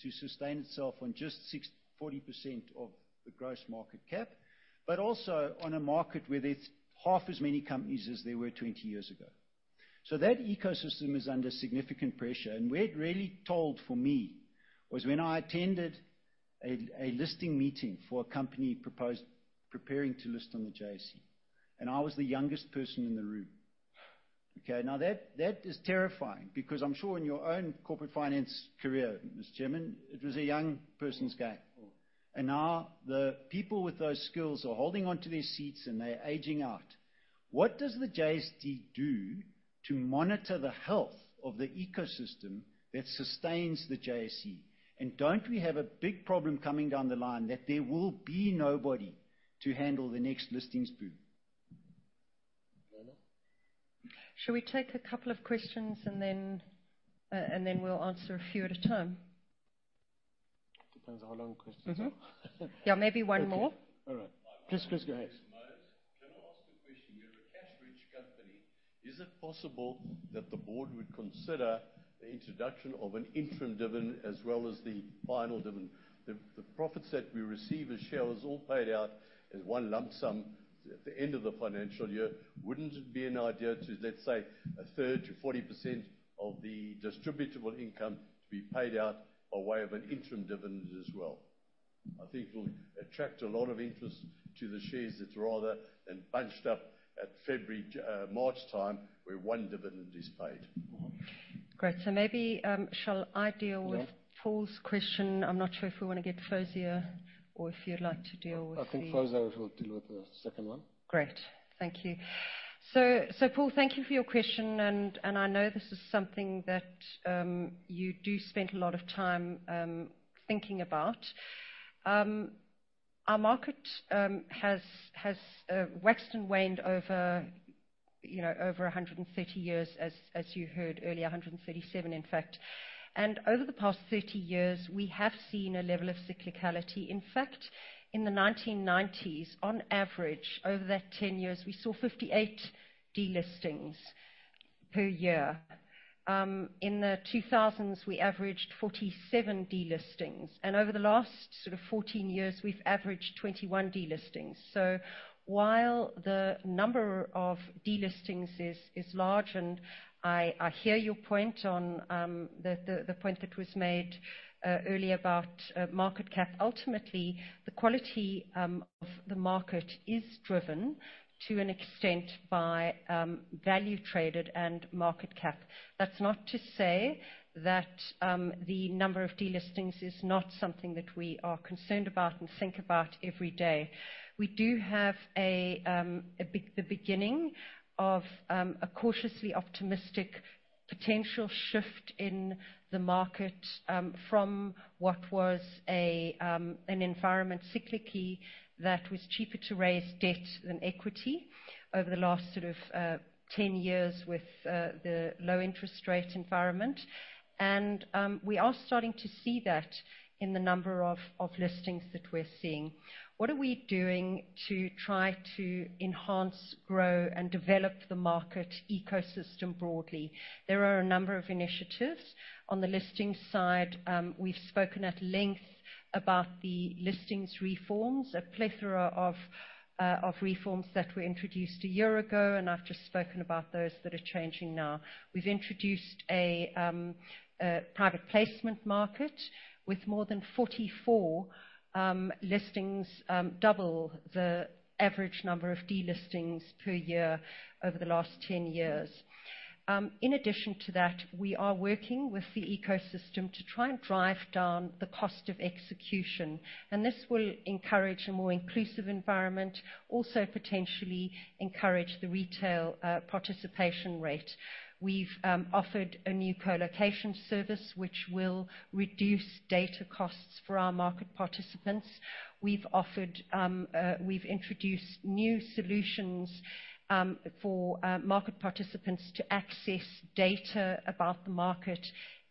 to sustain itself on just 60-40% of the gross market cap, but also on a market where there's half as many companies as there were 20 years ago. So that ecosystem is under significant pressure, and where it really told for me was when I attended a listing meeting for a company proposed-preparing to list on the JSE, and I was the youngest person in the room. Okay, now, that is terrifying, because I'm sure in your own corporate finance career, Mr. Chairman, it was a young person's game. Now the people with those skills are holding onto their seats, and they're aging out. What does the JSE do to monitor the health of the ecosystem that sustains the JSE? Don't we have a big problem coming down the line that there will be nobody to handle the next listings boom?... Shall we take a couple of questions, and then, and then we'll answer a few at a time? Depends on how long the questions are. Mm-hmm. Yeah, maybe one more. Okay. All right. Please, please go ahead. Can I ask a question? You're a cash-rich company. Is it possible that the board would consider the introduction of an interim dividend as well as the final dividend? The, the profits that we receive as shareholders all paid out as one lump sum at the end of the financial year. Wouldn't it be an idea to, let's say, a third to 40% of the distributable income to be paid out by way of an interim dividend as well? I think it will attract a lot of interest to the shares that's rather than bunched up at February, March time, where one dividend is paid. Great. So maybe, shall I deal with- Yeah... Paul's question? I'm not sure if we want to get Fawzia, or if you'd like to deal with the- I think Fawzia will deal with the second one. Great. Thank you. So, Paul, thank you for your question, and I know this is something that you do spend a lot of time thinking about. Our market has waxed and waned over, you know, over 130 years, as you heard earlier, 137, in fact. Over the past 30 years, we have seen a level of cyclicality. In fact, in the 1990s, on average, over that 10 years, we saw 58 delistings per year. In the 2000s, we averaged 47 delistings, and over the last sort of 14 years, we've averaged 21 delistings. So while the number of delistings is large, and I hear your point on the point that was made earlier about market cap. Ultimately, the quality of the market is driven to an extent by value traded and market cap. That's not to say that the number of delistings is not something that we are concerned about and think about every day. We do have the beginning of a cautiously optimistic potential shift in the market, from what was an environment cyclically, that was cheaper to raise debt than equity over the last sort of 10 years with the low interest rate environment. And we are starting to see that in the number of listings that we're seeing. What are we doing to try to enhance, grow and develop the market ecosystem broadly? There are a number of initiatives. On the listings side, we've spoken at length about the listings reforms, a plethora of reforms that were introduced a year ago, and I've just spoken about those that are changing now. We've introduced a private placement market with more than 44 listings, double the average number of delistings per year over the last 10 years. In addition to that, we are working with the ecosystem to try and drive down the cost of execution, and this will encourage a more inclusive environment, also potentially encourage the retail participation rate. We've offered a new co-location service, which will reduce data costs for our market participants. We've introduced new solutions for market participants to access data about the market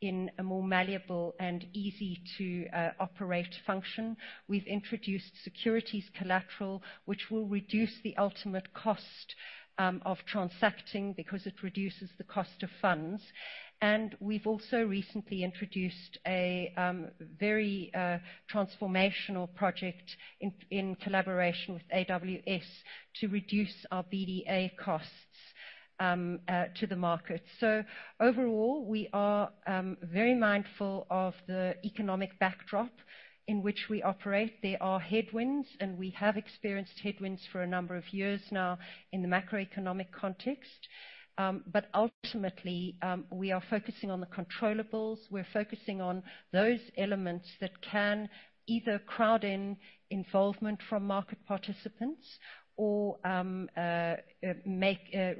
in a more malleable and easy to operate function. We've introduced securities collateral, which will reduce the ultimate cost of transacting because it reduces the cost of funds. We've also recently introduced a very transformational project in collaboration with AWS to reduce our BDA costs to the market. So overall, we are very mindful of the economic backdrop in which we operate. There are headwinds, and we have experienced headwinds for a number of years now in the macroeconomic context. But ultimately, we are focusing on the controllables. We're focusing on those elements that can either crowd in involvement from market participants or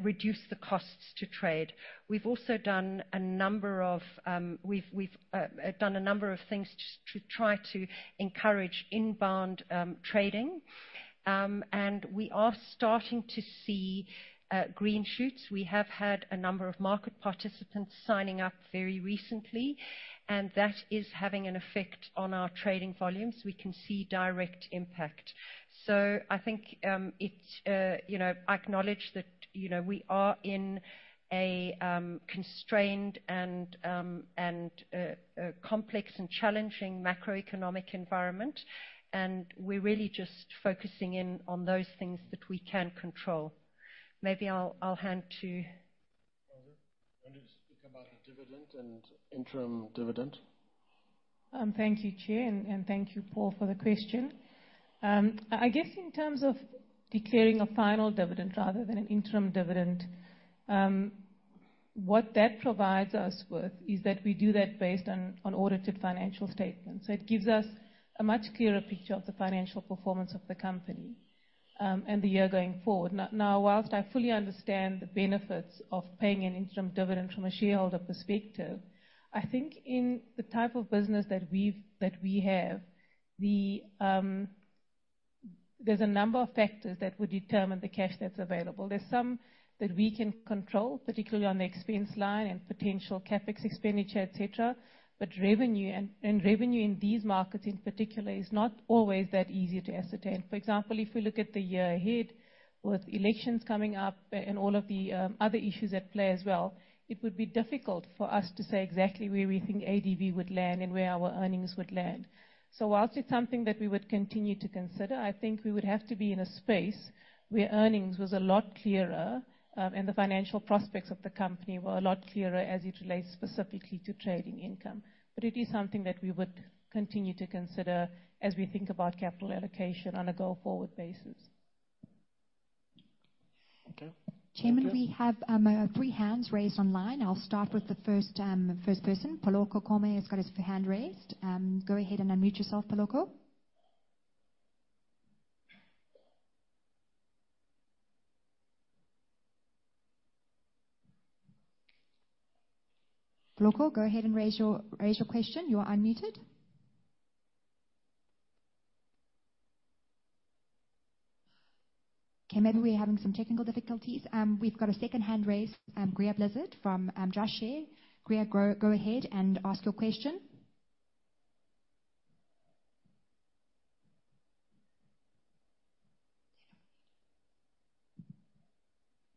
reduce the costs to trade. We've also done a number of things to try to encourage inbound trading. And we are starting to see green shoots. We have had a number of market participants signing up very recently, and that is having an effect on our trading volumes. We can see direct impact. So I think, it's, you know, I acknowledge that, you know, we are in a constrained and a complex and challenging macroeconomic environment, and we're really just focusing in on those things that we can control. Maybe I'll hand to- Fawzia, want to speak about the dividend and interim dividend? Thank you, Chair, and thank you, Paul, for the question. I guess in terms of declaring a final dividend rather than an interim dividend, what that provides us with is that we do that based on audited financial statements. So it gives us a much clearer picture of the financial performance of the company and the year going forward. Now, while I fully understand the benefits of paying an interim dividend from a shareholder perspective, I think in the type of business that we have, the ... There's a number of factors that would determine the cash that's available. There's some that we can control, particularly on the expense line and potential CapEx expenditure, et cetera. But revenue and, and revenue in these markets in particular, is not always that easy to ascertain. For example, if we look at the year ahead, with elections coming up and, and all of the other issues at play as well, it would be difficult for us to say exactly where we think ADV would land and where our earnings would land. So while it's something that we would continue to consider, I think we would have to be in a space where earnings was a lot clearer, and the financial prospects of the company were a lot clearer as it relates specifically to trading income. It is something that we would continue to consider as we think about capital allocation on a go-forward basis. Okay. Chairman, we have three hands raised online. I'll start with the first person. Poloko Kompe has got his hand raised. Go ahead and unmute yourself, Poloko. Poloko, go ahead and raise your question. You are unmuted. Okay, maybe we're having some technical difficulties. We've got a second hand raised, Greer Blizzard from Just Share. Greer, go ahead and ask your question.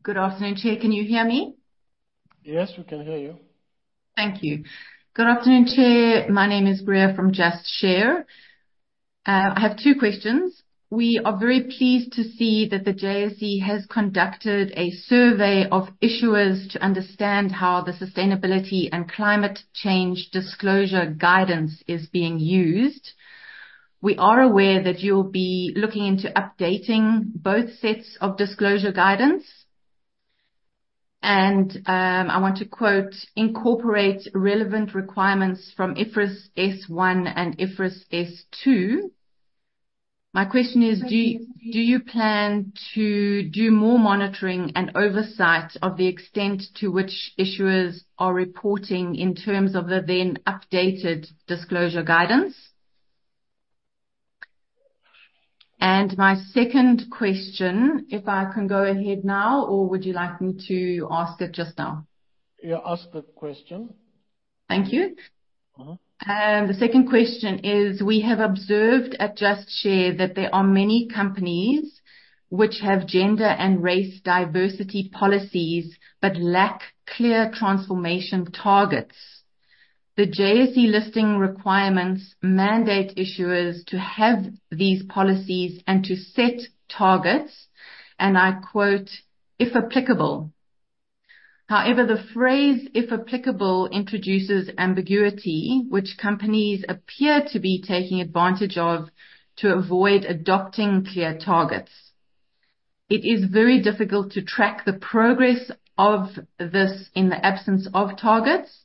Good afternoon, Chair. Can you hear me? Yes, we can hear you. Thank you. Good afternoon, Chair. My name is Greer from Just Share. I have two questions. We are very pleased to see that the JSE has conducted a survey of issuers to understand how the Sustainability and Climate Change Disclosure guidance is being used. We are aware that you'll be looking into updating both sets of disclosure guidance. And, I want to quote, "incorporate relevant requirements from IFRS S1 and IFRS S2." My question is: Do you plan to do more monitoring and oversight of the extent to which issuers are reporting in terms of the then updated disclosure guidance? And my second question, if I can go ahead now, or would you like me to ask it just now? Yeah, ask the question. Thank you. Uh-huh. The second question is, we have observed at Just Share that there are many companies which have gender and race diversity policies but lack clear transformation targets. The JSE Listings Requirements mandate issuers to have these policies and to set targets, and I quote, "if applicable." However, the phrase, if applicable, introduces ambiguity, which companies appear to be taking advantage of to avoid adopting clear targets. It is very difficult to track the progress of this in the absence of targets.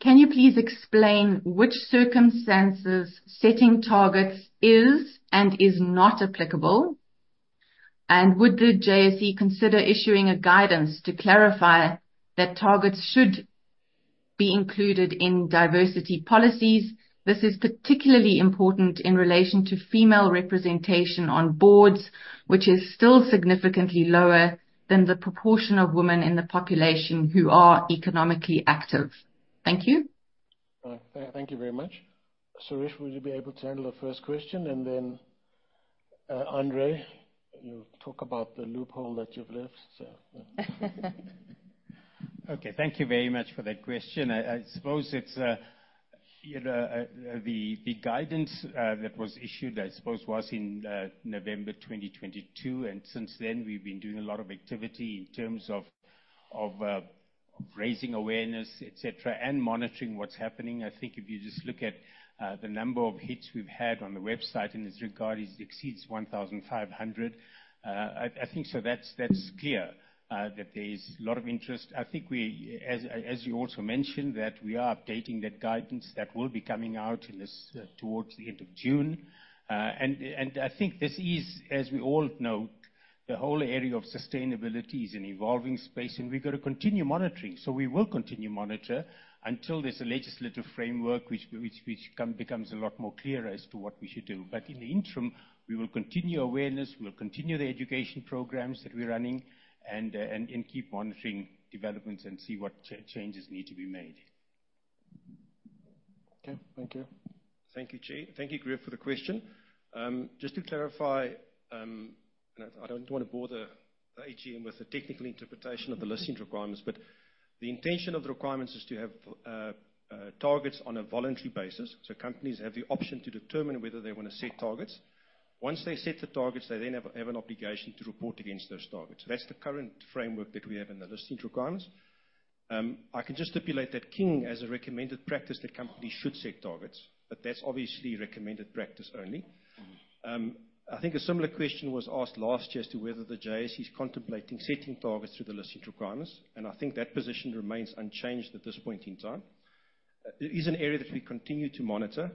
Can you please explain which circumstances setting targets is and is not applicable? And would the JSE consider issuing a guidance to clarify that targets should be included in diversity policies? This is particularly important in relation to female representation on boards, which is still significantly lower than the proportion of women in the population who are economically active. Thank you. Thank you very much. Suresh, would you be able to handle the first question? And then, André, you'll talk about the loophole that you've left, so. Okay. Thank you very much for that question. I suppose it's, you know, the guidance that was issued, I suppose, was in November 2022, and since then, we've been doing a lot of activity in terms of raising awareness, et cetera, and monitoring what's happening. I think if you just look at the number of hits we've had on the website in this regard, it exceeds 1,500. I think so that's clear that there's a lot of interest. I think we, as you also mentioned, that we are updating that guidance. That will be coming out in this towards the end of June. And I think this is, as we all know, the whole area of sustainability is an evolving space, and we've got to continue monitoring. So we will continue to monitor until there's a legislative framework which becomes a lot more clearer as to what we should do. But in the interim, we will continue awareness, we will continue the education programs that we're running and keep monitoring developments and see what changes need to be made. Okay. Thank you. Thank you, Chair. Thank you, Greer, for the question. Just to clarify, and I don't want to bore the AGM with the technical interpretation of the Listings Requirements, but the intention of the requirements is to have targets on a voluntary basis. So companies have the option to determine whether they want to set targets. Once they set the targets, they then have an obligation to report against those targets. That's the current framework that we have in the Listings Requirements. I can just stipulate that King, as a recommended practice, that companies should set targets, but that's obviously recommended practice only. I think a similar question was asked last year as to whether the JSE is contemplating setting targets through the Listings Requirements, and I think that position remains unchanged at this point in time. It is an area that we continue to monitor.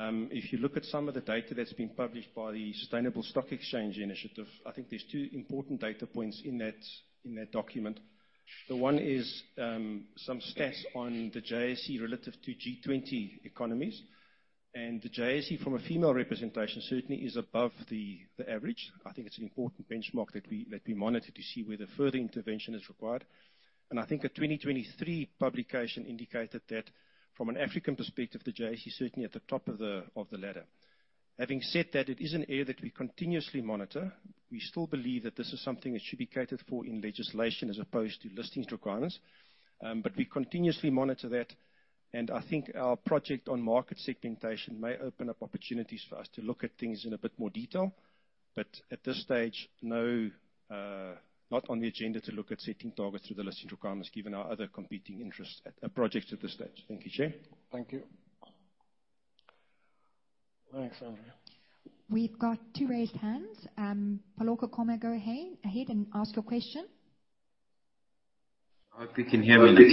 If you look at some of the data that's been published by the Sustainable Stock Exchange Initiative, I think there's two important data points in that, in that document. The one is some stats on the JSE relative to G20 economies. And the JSE, from a female representation, certainly is above the average. I think it's an important benchmark that we monitor to see whether further intervention is required. And I think a 2023 publication indicated that from an African perspective, the JSE is certainly at the top of the ladder. Having said that, it is an area that we continuously monitor. We still believe that this is something that should be catered for in legislation as opposed to Listings Requirements. But we continuously monitor that, and I think our project on market segmentation may open up opportunities for us to look at things in a bit more detail. But at this stage, no, not on the agenda to look at setting targets through the Listings Requirements, given our other competing interests at projects at this stage. Thank you, Chair. Thank you. Thanks, André. We've got two raised hands. Poloko Kompe, go ahead and ask your question. I hope you can hear me. We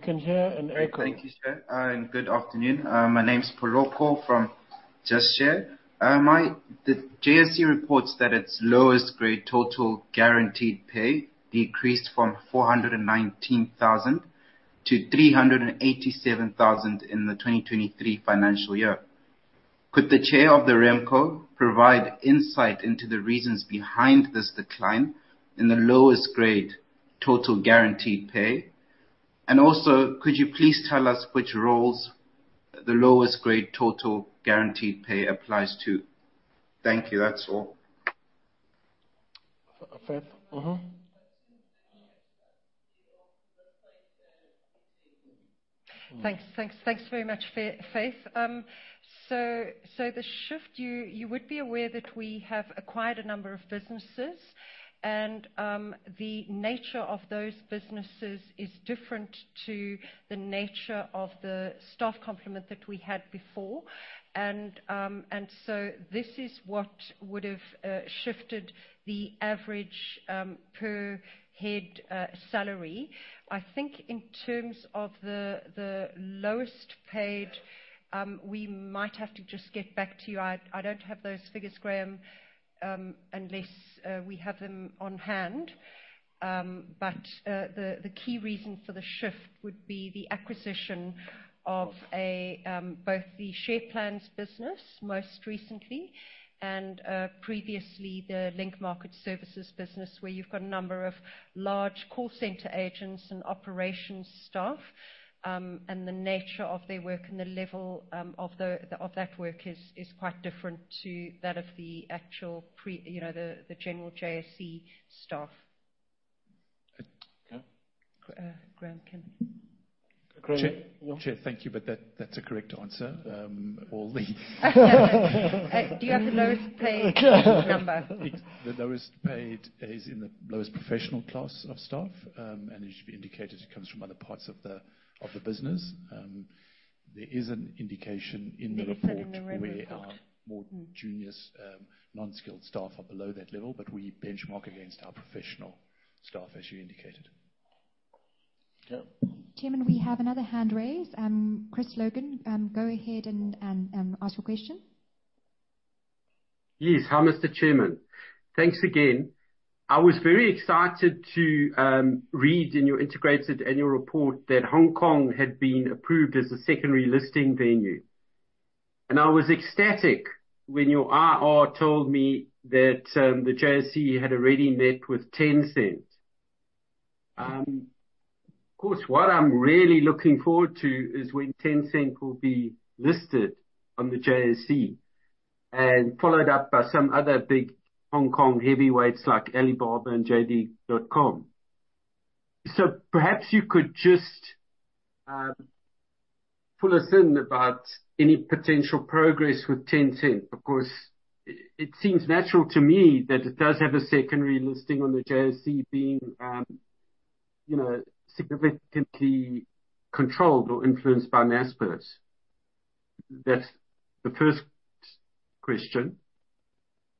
can hear you. Thank you, Chair, and good afternoon. My name's Poloko from Just Share. The JSE reports that its lowest grade total guaranteed pay decreased from 419,000 to 387,000 in the 2023 financial year. Could the chair of the RemCo provide insight into the reasons behind this decline in the lowest grade total guaranteed pay? And also, could you please tell us which roles the lowest grade total guaranteed pay applies to? Thank you. That's all. Faith? Mm-hmm. Thanks. Thanks. Thanks very much, Faith. So, so the shift, you would be aware that we have acquired a number of businesses, and the nature of those businesses is different to the nature of the staff complement that we had before. And so this is what would've shifted the average per head salary. I think in terms of the lowest paid, we might have to just get back to you. I don't have those figures, Graeme, unless we have them on hand. But the key reason for the shift would be the acquisition of both the share plans business, most recently, and previously, the Link Market Services business, where you've got a number of large call center agents and operations staff. And the nature of their work and the level of that work is quite different to that of the actual, you know, the general JSE staff. Okay. Graeme, can you? Chair, thank you, but that, that's a correct answer. All the- Do you have the lowest paid number? The lowest paid is in the lowest professional class of staff, and it should be indicated it comes from other parts of the business. There is an indication in the report- Let me check in the report.... where our more junior, non-skilled staff are below that level, but we benchmark against our professional staff, as you indicated. Yeah. Chairman, we have another hand raised. Chris Logan, go ahead and ask your question. Yes. Hi, Mr. Chairman. Thanks again. I was very excited to read in your integrated annual report that Hong Kong had been approved as a secondary listing venue. And I was ecstatic when your IR told me that the JSE had already met with Tencent. Of course, what I'm really looking forward to is when Tencent will be listed on the JSE, and followed up by some other big Hong Kong heavyweights, like Alibaba and JD.com. So perhaps you could just fill us in about any potential progress with Tencent, because it seems natural to me that it does have a secondary listing on the JSE being, you know, significantly controlled or influenced by Naspers. That's the first question.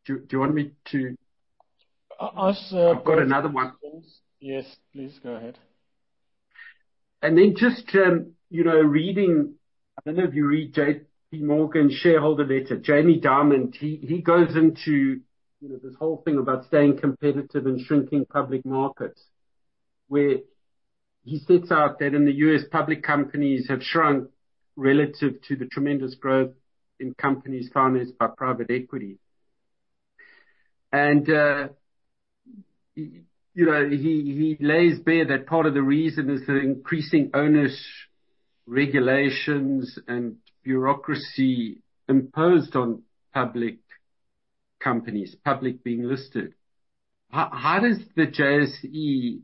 Do you want me to- Uh, ask, uh- I've got another one. Yes, please go ahead. Then just, you know, reading, I don't know if you read JPMorgan's shareholder letter. Jamie Dimon, he goes into, you know, this whole thing about staying competitive and shrinking public markets, where he sets out that in the US, public companies have shrunk relative to the tremendous growth in companies founded by private equity. And, you know, he lays bare that part of the reason is the increasing onerous regulations and bureaucracy imposed on public companies, public being listed. How does the JSE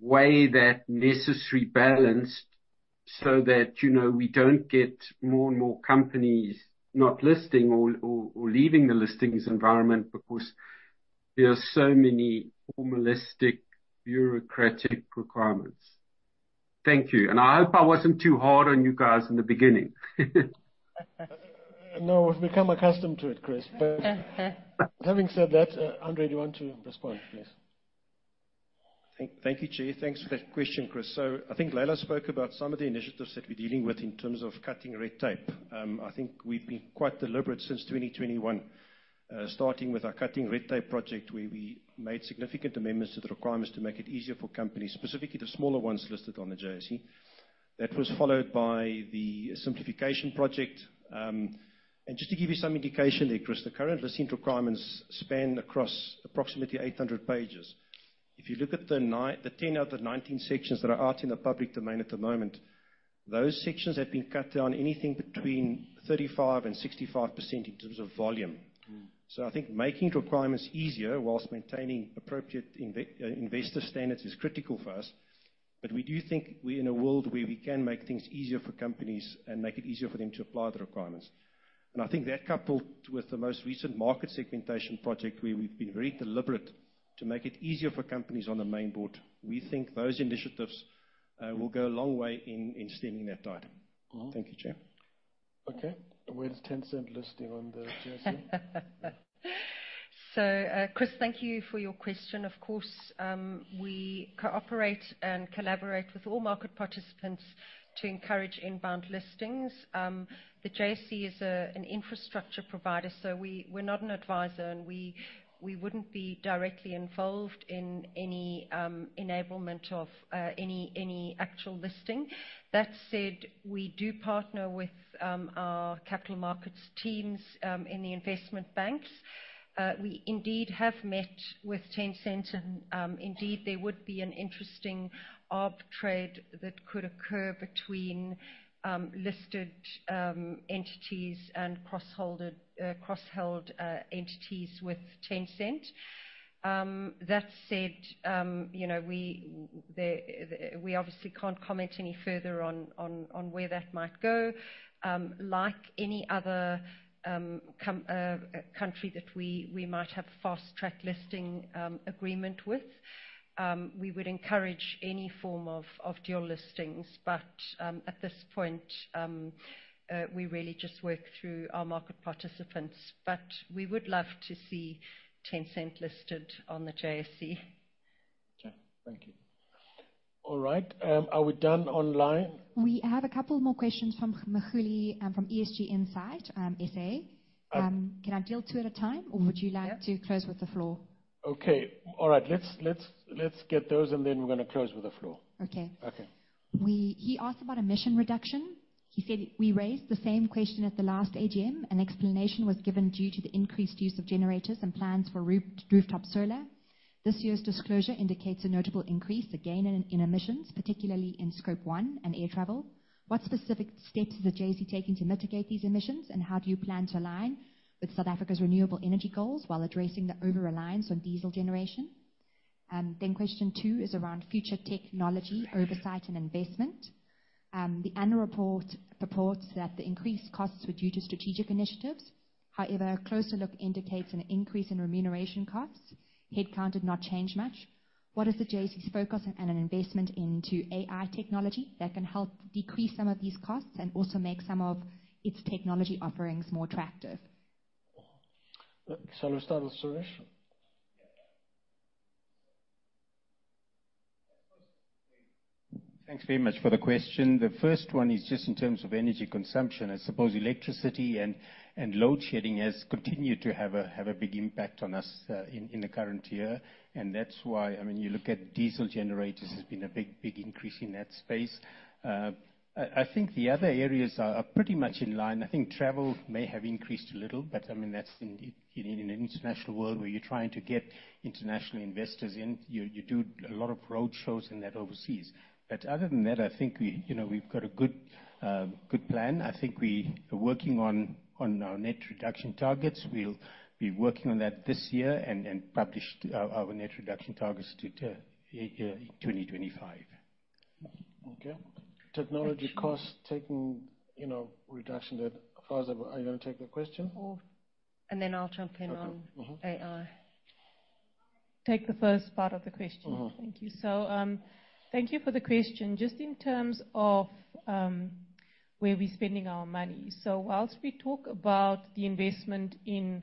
weigh that necessary balance so that, you know, we don't get more and more companies not listing or leaving the listings environment because there are so many formalistic, bureaucratic requirements? Thank you, and I hope I wasn't too hard on you guys in the beginning. No, we've become accustomed to it, Chris. But having said that, André, do you want to respond, please? Thank you, Chair. Thanks for that question, Chris. So I think Leila spoke about some of the initiatives that we're dealing with in terms of cutting red tape. I think we've been quite deliberate since 2021, starting with our Cutting Red Tape project, where we made significant amendments to the requirements to make it easier for companies, specifically the smaller ones, listed on the JSE. That was followed by the simplification project. And just to give you some indication there, Chris, the current Listings Requirements span across approximately 800 pages. If you look at the 10 out of the 19 sections that are out in the public domain at the moment, those sections have been cut down anything between 35%-65% in terms of volume. So I think making requirements easier while maintaining appropriate investor standards is critical for us. But we do think we're in a world where we can make things easier for companies and make it easier for them to apply the requirements. And I think that, coupled with the most recent market segmentation project, where we've been very deliberate to make it easier for companies on the Main Board, we think those initiatives will go a long way in stemming that tide. Mm-hmm. Thank you, Chair. Okay. Where is Tencent listing on the JSE? So, Chris, thank you for your question. Of course, we cooperate and collaborate with all market participants to encourage inbound listings. The JSE is an infrastructure provider, so we're not an advisor, and we wouldn't be directly involved in any enablement of any actual listing. That said, we do partner with our capital markets teams in the investment banks. We indeed have met with Tencent, and indeed, there would be an interesting arb trade that could occur between listed entities and cross-held entities with Tencent. That said, you know, we obviously can't comment any further on where that might go. Like any other country that we, we might have fast-track listing agreement with, we would encourage any form of dual listings. But at this point, we really just work through our market participants. But we would love to see Tencent listed on the JSE. Okay. Thank you. All right, are we done online? We have a couple more questions from Mkhululi, from ESG Insight, SA. Can I deal two at a time? Mm-hmm. Yep. Or would you like to close with the floor? Okay. All right, let's get those, and then we're gonna close with the floor. Okay. Okay. He asked about emission reduction. He said: We raised the same question at the last AGM, and explanation was given due to the increased use of generators and plans for roof, rooftop solar. This year's disclosure indicates a notable increase, again, in emissions, particularly in Scope 1 and air travel. What specific steps is the JSE taking to mitigate these emissions, and how do you plan to align with South Africa's renewable energy goals while addressing the overreliance on diesel generation? Then question two is around future technology, oversight and investment. The annual report purports that the increased costs were due to strategic initiatives. However, a closer look indicates an increase in remuneration costs. Headcount did not change much. What is the JSE's focus and an investment into AI technology that can help decrease some of these costs and also make some of its technology offerings more attractive? Shall we start with Suresh? Thanks very much for the question. The first one is just in terms of energy consumption. I suppose electricity and load shedding has continued to have a big impact on us in the current year. And that's why, I mean, you look at diesel generators, there's been a big, big increase in that space. I think the other areas are pretty much in line. I think travel may have increased a little, but, I mean, that's in an international world where you're trying to get international investors in. You do a lot of road shows and that overseas. But other than that, I think we, you know, we've got a good plan. I think we are working on our net reduction targets. We'll be working on that this year and publish our net reduction targets to 2025. Okay. Technology costs, taking, you know, reduction that... Fawzia, are you gonna take the question or- And then I'll jump in on- Okay. Mm-hmm... AI. Take the first part of the question. Mm-hmm. Thank you. So, thank you for the question. Just in terms of, where we're spending our money, so whilst we talk about the investment in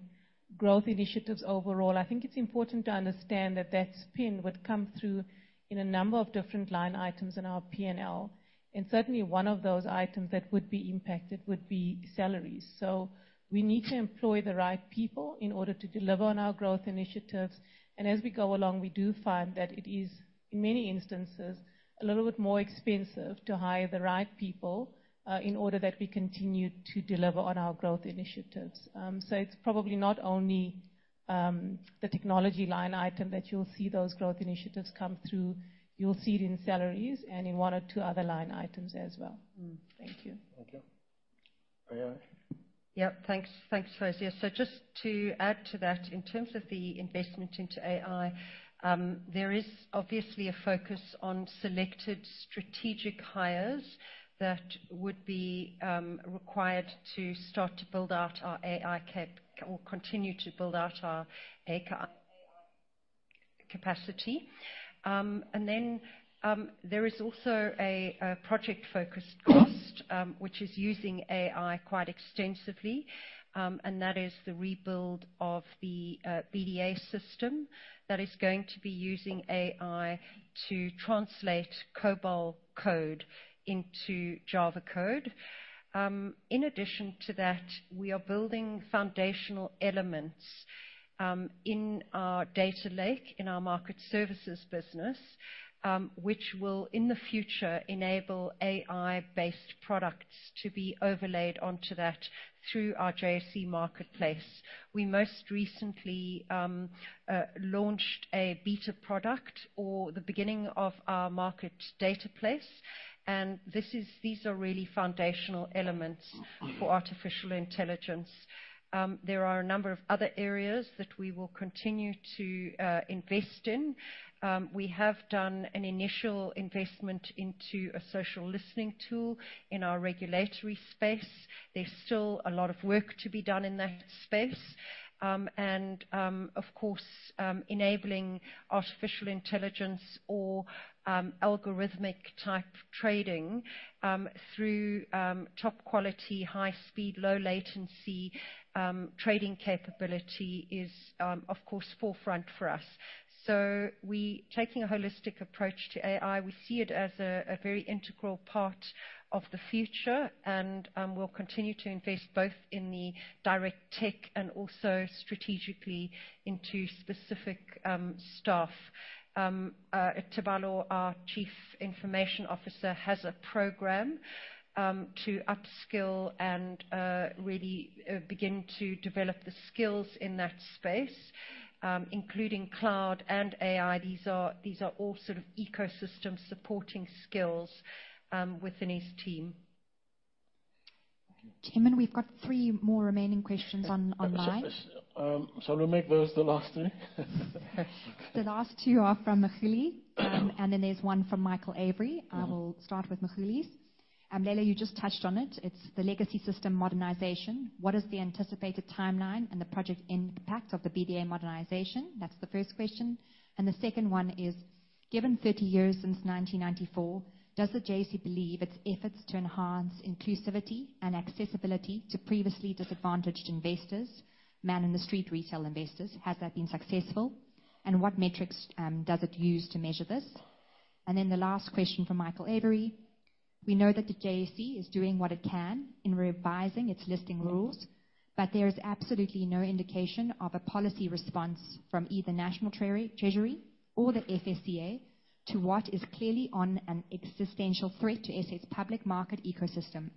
growth initiatives overall, I think it's important to understand that that spend would come through in a number of different line items in our P&L. And certainly, one of those items that would be impacted would be salaries. So we need to employ the right people in order to deliver on our growth initiatives. And as we go along, we do find that it is, in many instances, a little bit more expensive to hire the right people, in order that we continue to deliver on our growth initiatives. So it's probably not only, the technology line item that you'll see those growth initiatives come through. You'll see it in salaries and in one or two other line items as well. Thank you. Thank you. AI? Yep. Thanks, thanks, Fawzia. So just to add to that, in terms of the investment into AI, there is obviously a focus on selected strategic hires that would be required to start to build out our AI capacity or continue to build out our AI capacity. And then, there is also a project-focused cost, which is using AI quite extensively. And that is the rebuild of the BDA system that is going to be using AI to translate COBOL code into Java code. In addition to that, we are building foundational elements in our data lake, in our market services business, which will, in the future, enable AI-based products to be overlaid onto that through our JSE Marketplace. We most recently launched a beta product, or the beginning of our marketplace, and this is—these are really foundational elements for artificial intelligence. There are a number of other areas that we will continue to invest in. We have done an initial investment into a social listening tool in our regulatory space. There's still a lot of work to be done in that space. And, of course, enabling artificial intelligence or algorithmic-type trading through top quality, high speed, low latency trading capability is, of course, forefront for us. So we taking a holistic approach to AI. We see it as a very integral part of the future, and we'll continue to invest both in the direct tech and also strategically into specific staff. Tebalo, our Chief Information Officer, has a program to upskill and really begin to develop the skills in that space, including cloud and AI. These are all sort of ecosystem supporting skills within his team. Thank you. Chairman, we've got 3 more remaining questions on live. Shall we make those the last three? The last two are from Mkhululi, and then there's one from Michael Avery. I will start with Mkhululi's. Leila, you just touched on it. It's the legacy system modernization. What is the anticipated timeline and the project impact of the BDA modernization? That's the first question. And the second one is: given 30 years since 1994, does the JSE believe its efforts to enhance inclusivity and accessibility to previously disadvantaged investors, man-in-the-street retail investors, has that been successful, and what metrics does it use to measure this? And then the last question from Michael Avery: We know that the JSE is doing what it can in revising its listing rules, but there is absolutely no indication of a policy response from either National Treasury or the FSCA to what is clearly an existential threat to SA's public market ecosystem.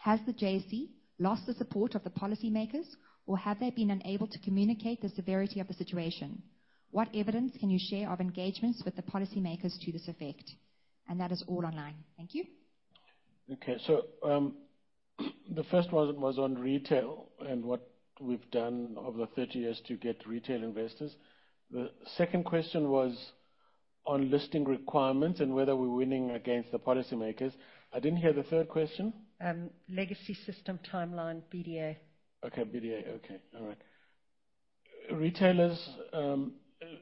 Has the JSE lost the support of the policymakers, or have they been unable to communicate the severity of the situation? What evidence can you share of engagements with the policymakers to this effect? And that is all online. Thank you. Okay, so, the first one was on retail and what we've done over the 30 years to get retail investors. The second question was on Listings Requirements and whether we're winning against the policymakers. I didn't hear the third question. Legacy system timeline, BDA. Okay, BDA. Okay. All right. Retailers,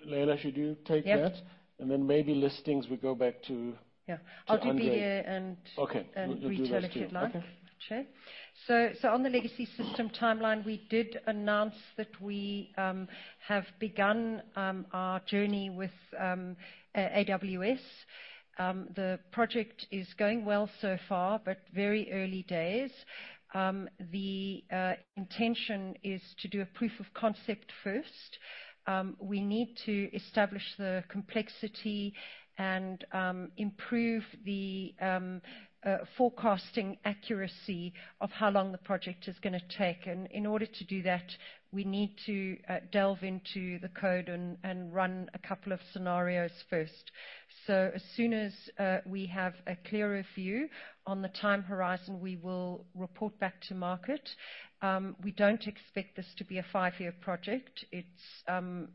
Leila, should you take that? Yep. And then maybe listings, we go back to- Yeah. André. I'll do BDA and- Okay. Retail, if you'd like. We'll do that too. Okay. So on the legacy system timeline, we did announce that we have begun our journey with AWS. The project is going well so far, but very early days. The intention is to do a proof of concept first. We need to establish the complexity and improve the forecasting accuracy of how long the project is gonna take, and in order to do that, we need to delve into the code and run a couple of scenarios first. So as soon as we have a clearer view on the time horizon, we will report back to market. We don't expect this to be a five-year project. It's,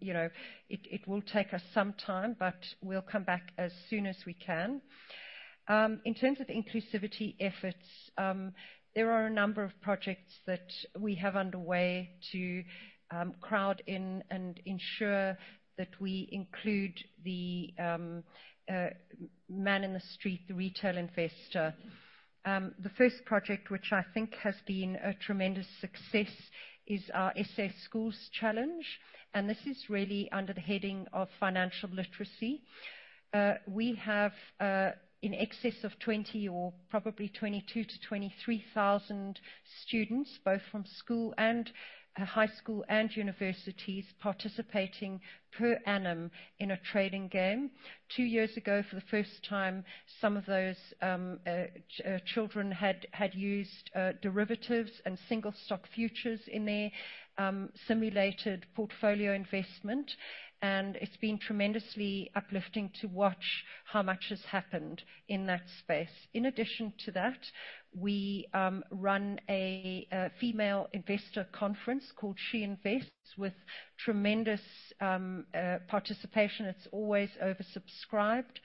you know, it will take us some time, but we'll come back as soon as we can. In terms of inclusivity efforts, there are a number of projects that we have underway to crowd in and ensure that we include the man in the street, the retail investor. The first project, which I think has been a tremendous success, is our JSE Schools Challenge, and this is really under the heading of financial literacy. We have in excess of 20 or probably 22-23 thousand students, both from school and high school and universities, participating per annum in a trading game. Two years ago, for the first time, some of those children had used derivatives and single stock futures in their simulated portfolio investment, and it's been tremendously uplifting to watch how much has happened in that space. In addition to that, we run a female investor conference called She Invests, with tremendous participation. It's always oversubscribed.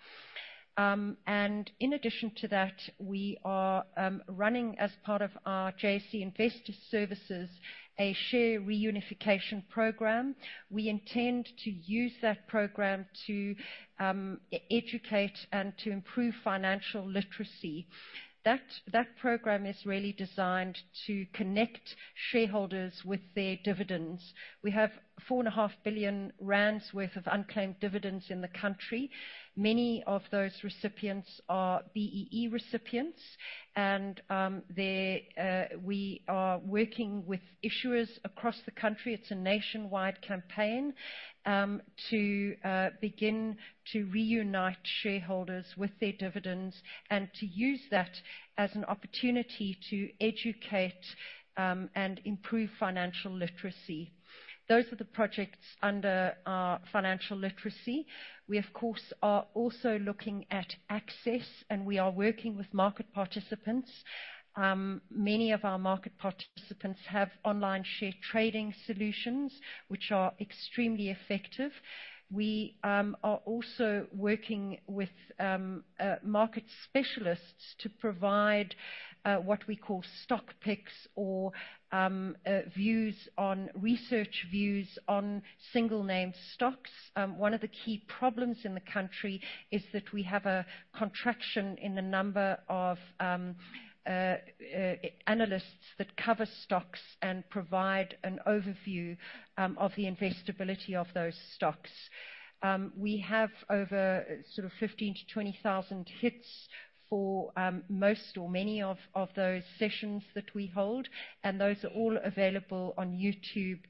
And in addition to that, we are running as part of our JSE Investor Services, a share reunification program. We intend to use that program to educate and to improve financial literacy. That program is really designed to connect shareholders with their dividends. We have 4.5 billion rand worth of unclaimed dividends in the country. Many of those recipients are BEE recipients, and they're... We are working with issuers across the country, it's a nationwide campaign, to begin to reunite shareholders with their dividends and to use that as an opportunity to educate, and improve financial literacy. Those are the projects under our financial literacy. We, of course, are also looking at access, and we are working with market participants. Many of our market participants have online share trading solutions, which are extremely effective. We are also working with market specialists to provide what we call stock picks or views on research, views on single name stocks. One of the key problems in the country is that we have a contraction in the number of analysts that cover stocks and provide an overview of the investability of those stocks. We have over sort of 15-20,000 hits for most or many of those sessions that we hold, and those are all available on YouTube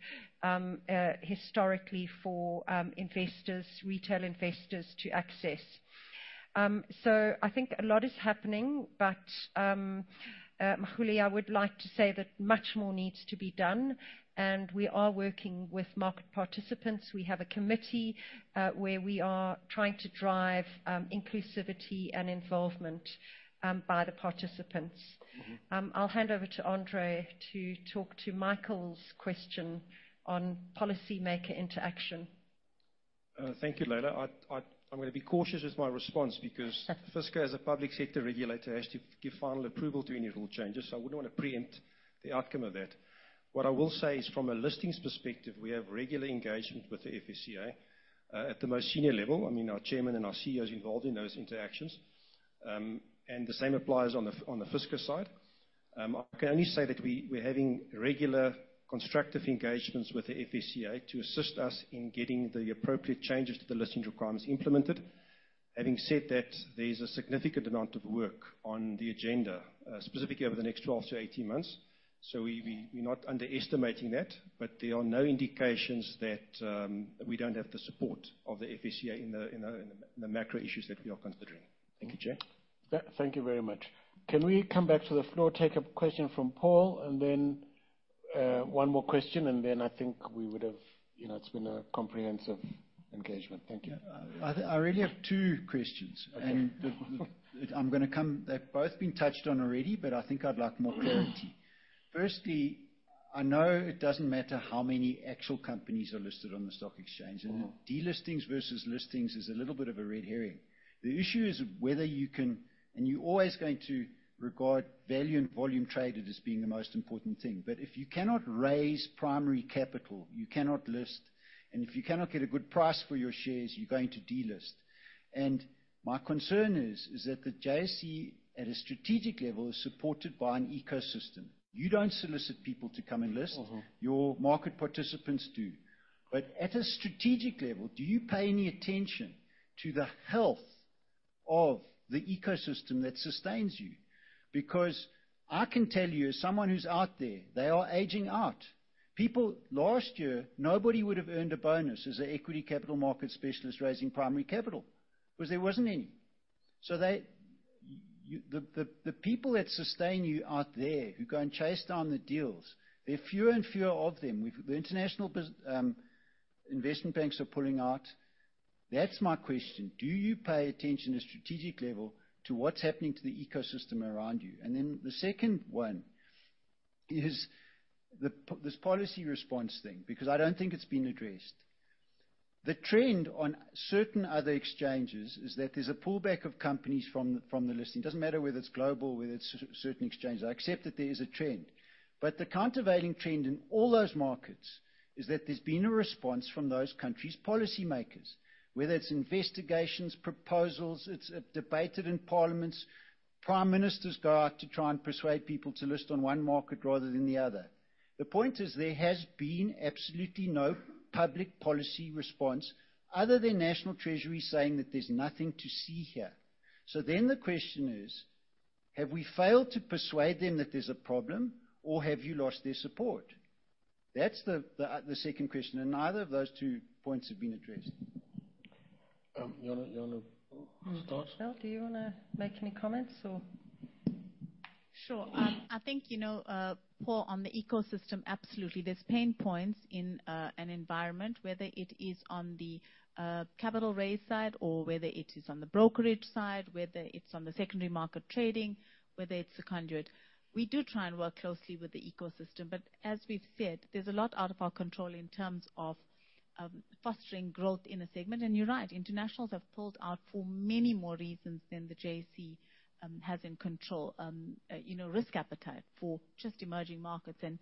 historically for investors, retail investors to access. So I think a lot is happening, but, Mkhululi, I would like to say that much more needs to be done, and we are working with market participants. We have a committee, where we are trying to drive, inclusivity and involvement, by the participants. I'll hand over to André to talk to Michael's question on policymaker interaction. Thank you, Leila. I-- I'm gonna be cautious with my response, because FSCA, as a public sector regulator, has to give final approval to any rule changes, so I wouldn't want to preempt the outcome of that. What I will say is, from a listings perspective, we have regular engagement with the FSCA, at the most senior level. I mean, our chairman and our CEO is involved in those interactions. And the same applies on the, on the FSCA side. I can only say that we, we're having regular, constructive engagements with the FSCA to assist us in getting the appropriate changes to the Listings Requirements implemented. Having said that, there is a significant amount of work on the agenda, specifically over the next 12-18 months. So we're not underestimating that, but there are no indications that we don't have the support of the FSCA in the macro issues that we are considering. Thank you, Chair. Thank you very much. Can we come back to the floor, take a question from Paul, and then one more question, and then I think we would have... You know, it's been a comprehensive engagement. Thank you. I really have two questions. Okay. They've both been touched on already, but I think I'd like more clarity. Firstly, I know it doesn't matter how many actual companies are listed on the stock exchange, and delistings versus listings is a little bit of a red herring. The issue is whether you can... You're always going to regard value and volume traded as being the most important thing, but if you cannot raise primary capital, you cannot list, and if you cannot get a good price for your shares, you're going to delist. My concern is, is that the JSE, at a strategic level, is supported by an ecosystem. You don't solicit people to come and list. Your market participants do. But at a strategic level, do you pay any attention to the health of the ecosystem that sustains you? Because I can tell you, as someone who's out there, they are aging out. People, last year, nobody would have earned a bonus as an equity capital market specialist raising primary capital, because there wasn't any. So they, you... The people that sustain you out there, who go and chase down the deals, there are fewer and fewer of them. The international investment banks are pulling out. That's my question: Do you pay attention at a strategic level to what's happening to the ecosystem around you? And then the second one is this policy response thing, because I don't think it's been addressed. The trend on certain other exchanges is that there's a pullback of companies from the listing. It doesn't matter whether it's global or whether it's certain exchanges. I accept that there is a trend. But the countervailing trend in all those markets is that there's been a response from those countries' policymakers, whether it's investigations, proposals, it's debated in parliaments. Prime ministers go out to try and persuade people to list on one market rather than the other. The point is, there has been absolutely no public policy response other than National Treasury saying that there's nothing to see here. So then the question is: Have we failed to persuade them that there's a problem, or have you lost their support? That's the second question, and neither of those two points have been addressed. You want to start? Well, do you want to make any comments or? Sure. I think, you know, Paul, on the ecosystem, absolutely. There's pain points in, an environment, whether it is on the, capital raise side or whether it is on the brokerage side, whether it's on the secondary market trading, whether it's the conduit. We do try and work closely with the ecosystem, but as we've said, there's a lot out of our control in terms of, fostering growth in the segment. And you're right, internationals have pulled out for many more reasons than the JSE, has in control. You know, risk appetite for just emerging markets and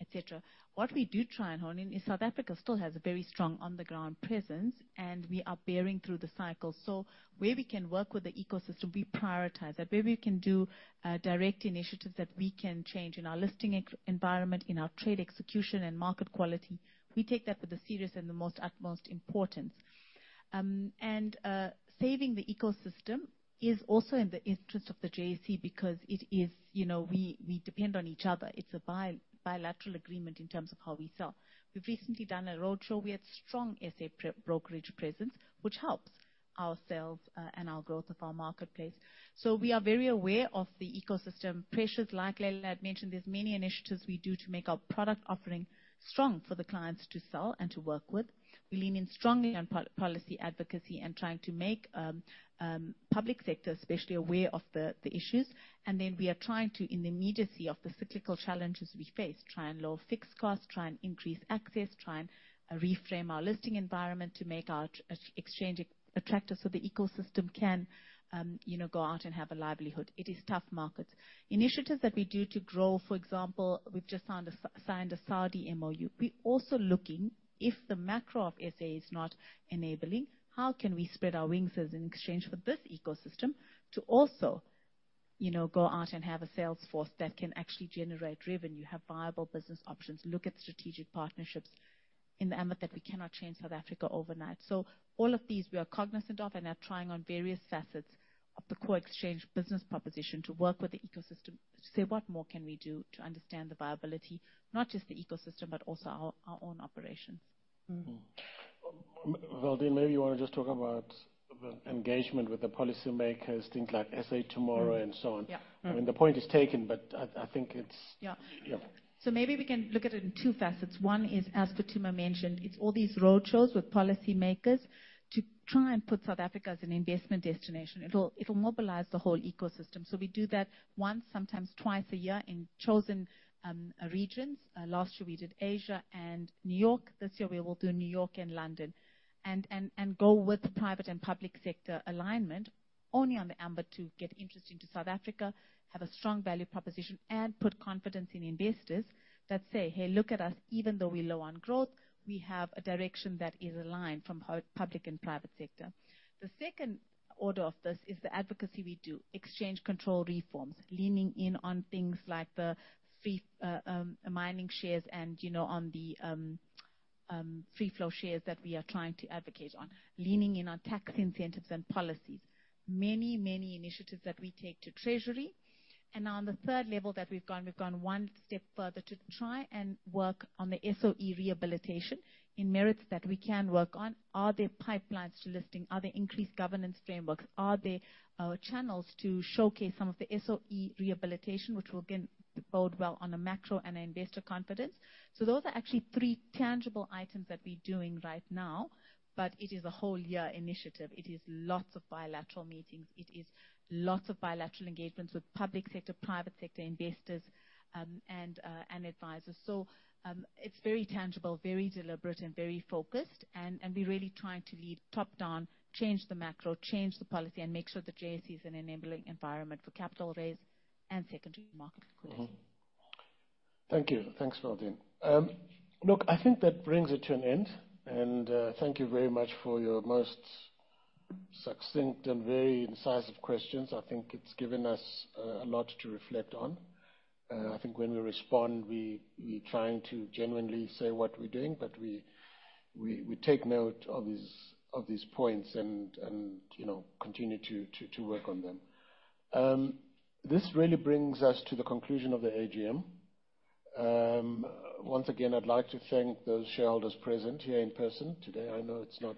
et cetera. What we do try and hone in, is South Africa still has a very strong on-the-ground presence, and we are bearing through the cycle. So where we can work with the ecosystem, we prioritize that. Where we can do direct initiatives that we can change in our listing environment, in our trade execution and market quality, we take that with the serious and the most utmost importance. Saving the ecosystem is also in the interest of the JSE because it is... You know, we depend on each other. It's a bilateral agreement in terms of how we sell. We've recently done a roadshow. We had strong SA brokerage presence, which helps our sales and our growth of our marketplace. So we are very aware of the ecosystem pressures. Like I had mentioned, there's many initiatives we do to make our product offering strong for the clients to sell and to work with. We lean in strongly on policy advocacy and trying to make public sector especially aware of the issues. And then we are trying to, in the immediacy of the cyclical challenges we face, try and lower fixed costs, try and increase access, try and reframe our listing environment to make our exchange attractive, so the ecosystem can, you know, go out and have a livelihood. It is tough markets. Initiatives that we do to grow, for example, we've just signed a Saudi MoU. We're also looking, if the macro of SA is not enabling, how can we spread our wings as an exchange for this ecosystem to also, you know, go out and have a sales force that can actually generate revenue, have viable business options, look at strategic partnerships in the ambit that we cannot change South Africa overnight? So all of these we are cognizant of and are trying on various facets of the core exchange business proposition to work with the ecosystem, to say, what more can we do to understand the viability, not just the ecosystem, but also our, our own operations. Mm-hmm. Mm-hmm. Well, then maybe you want to just talk about the engagement with the policymakers, things like SA Tomorrow and so on. Yeah. I mean, the point is taken, but I think it's- Yeah. Yeah. So maybe we can look at it in two facets. One is, as Fawzia mentioned, it's all these roadshows with policymakers to try and put South Africa as an investment destination. It'll mobilize the whole ecosystem. So we do that once, sometimes twice a year in chosen regions. Last year we did Asia and New York. This year we will do New York and London. And go with the private and public sector alignment, only on the ambit to get interest into South Africa, have a strong value proposition, and put confidence in investors that say, "Hey, look at us. Even though we're low on growth, we have a direction that is aligned from both public and private sector." The second order of this is the advocacy we do. Exchange control reforms, leaning in on things like the BEE, mining shares and, you know, on the, free flow shares that we are trying to advocate on. Leaning in on tax incentives and policies. Many, many initiatives that we take to treasury. And on the third level that we've gone, we've gone one step further to try and work on the SOE rehabilitation in merits that we can work on. Are there pipelines to listing? Are there increased governance frameworks? Are there channels to showcase some of the SOE rehabilitation, which will again, bode well on the macro and investor confidence? So those are actually three tangible items that we're doing right now, but it is a whole year initiative. It is lots of bilateral meetings. It is lots of bilateral engagements with public sector, private sector investors, and advisors. So, it's very tangible, very deliberate, and very focused, and, and we're really trying to lead top-down, change the macro, change the policy, and make sure the JSE is an enabling environment for capital raise and secondary market liquidity. Mm-hmm. Thank you. Thanks, Valdene. Look, I think that brings it to an end, and thank you very much for your most succinct and very incisive questions. I think it's given us a lot to reflect on. I think when we respond, we're trying to genuinely say what we're doing, but we take note of these points and, you know, continue to work on them. This really brings us to the conclusion of the AGM. Once again, I'd like to thank those shareholders present here in person today. I know it's not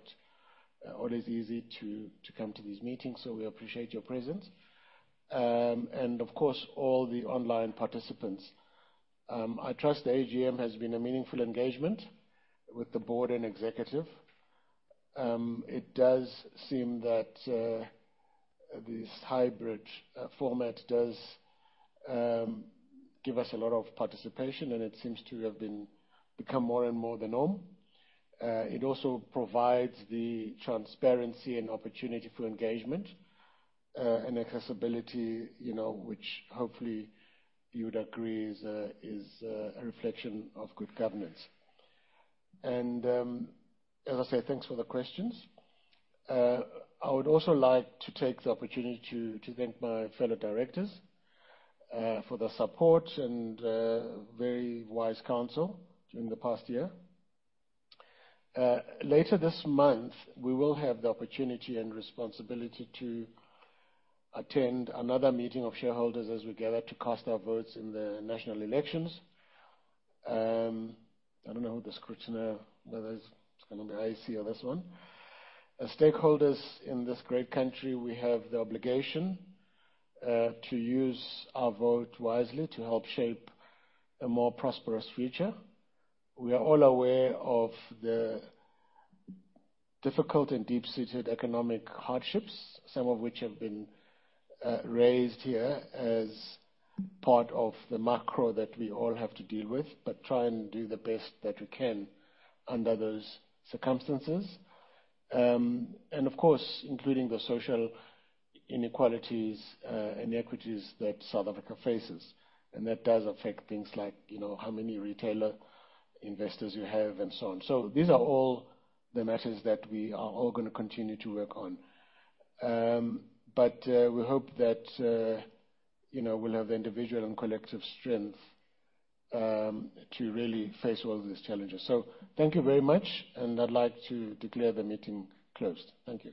always easy to come to these meetings, so we appreciate your presence, and of course, all the online participants. I trust the AGM has been a meaningful engagement with the board and executive. It does seem that, this hybrid format does give us a lot of participation, and it seems to have been become more and more the norm. It also provides the transparency and opportunity for engagement, and accessibility, you know, which hopefully you would agree is a, is, a reflection of good governance. And, as I say, thanks for the questions. I would also like to take the opportunity to, to thank my fellow directors, for their support and, very wise counsel during the past year. Later this month, we will have the opportunity and responsibility to attend another meeting of shareholders as we gather to cast our votes in the national elections. I don't know who the scrutinizer, whether it's gonna be IEC or this one. As stakeholders in this great country, we have the obligation to use our vote wisely to help shape a more prosperous future. We are all aware of the difficult and deep-seated economic hardships, some of which have been raised here as part of the macro that we all have to deal with, but try and do the best that we can under those circumstances. Of course, including the social inequalities, inequities that South Africa faces. That does affect things like, you know, how many retail investors you have and so on. These are all the matters that we are all gonna continue to work on. We hope that, you know, we'll have the individual and collective strength to really face all these challenges. Thank you very much, and I'd like to declare the meeting closed. Thank you.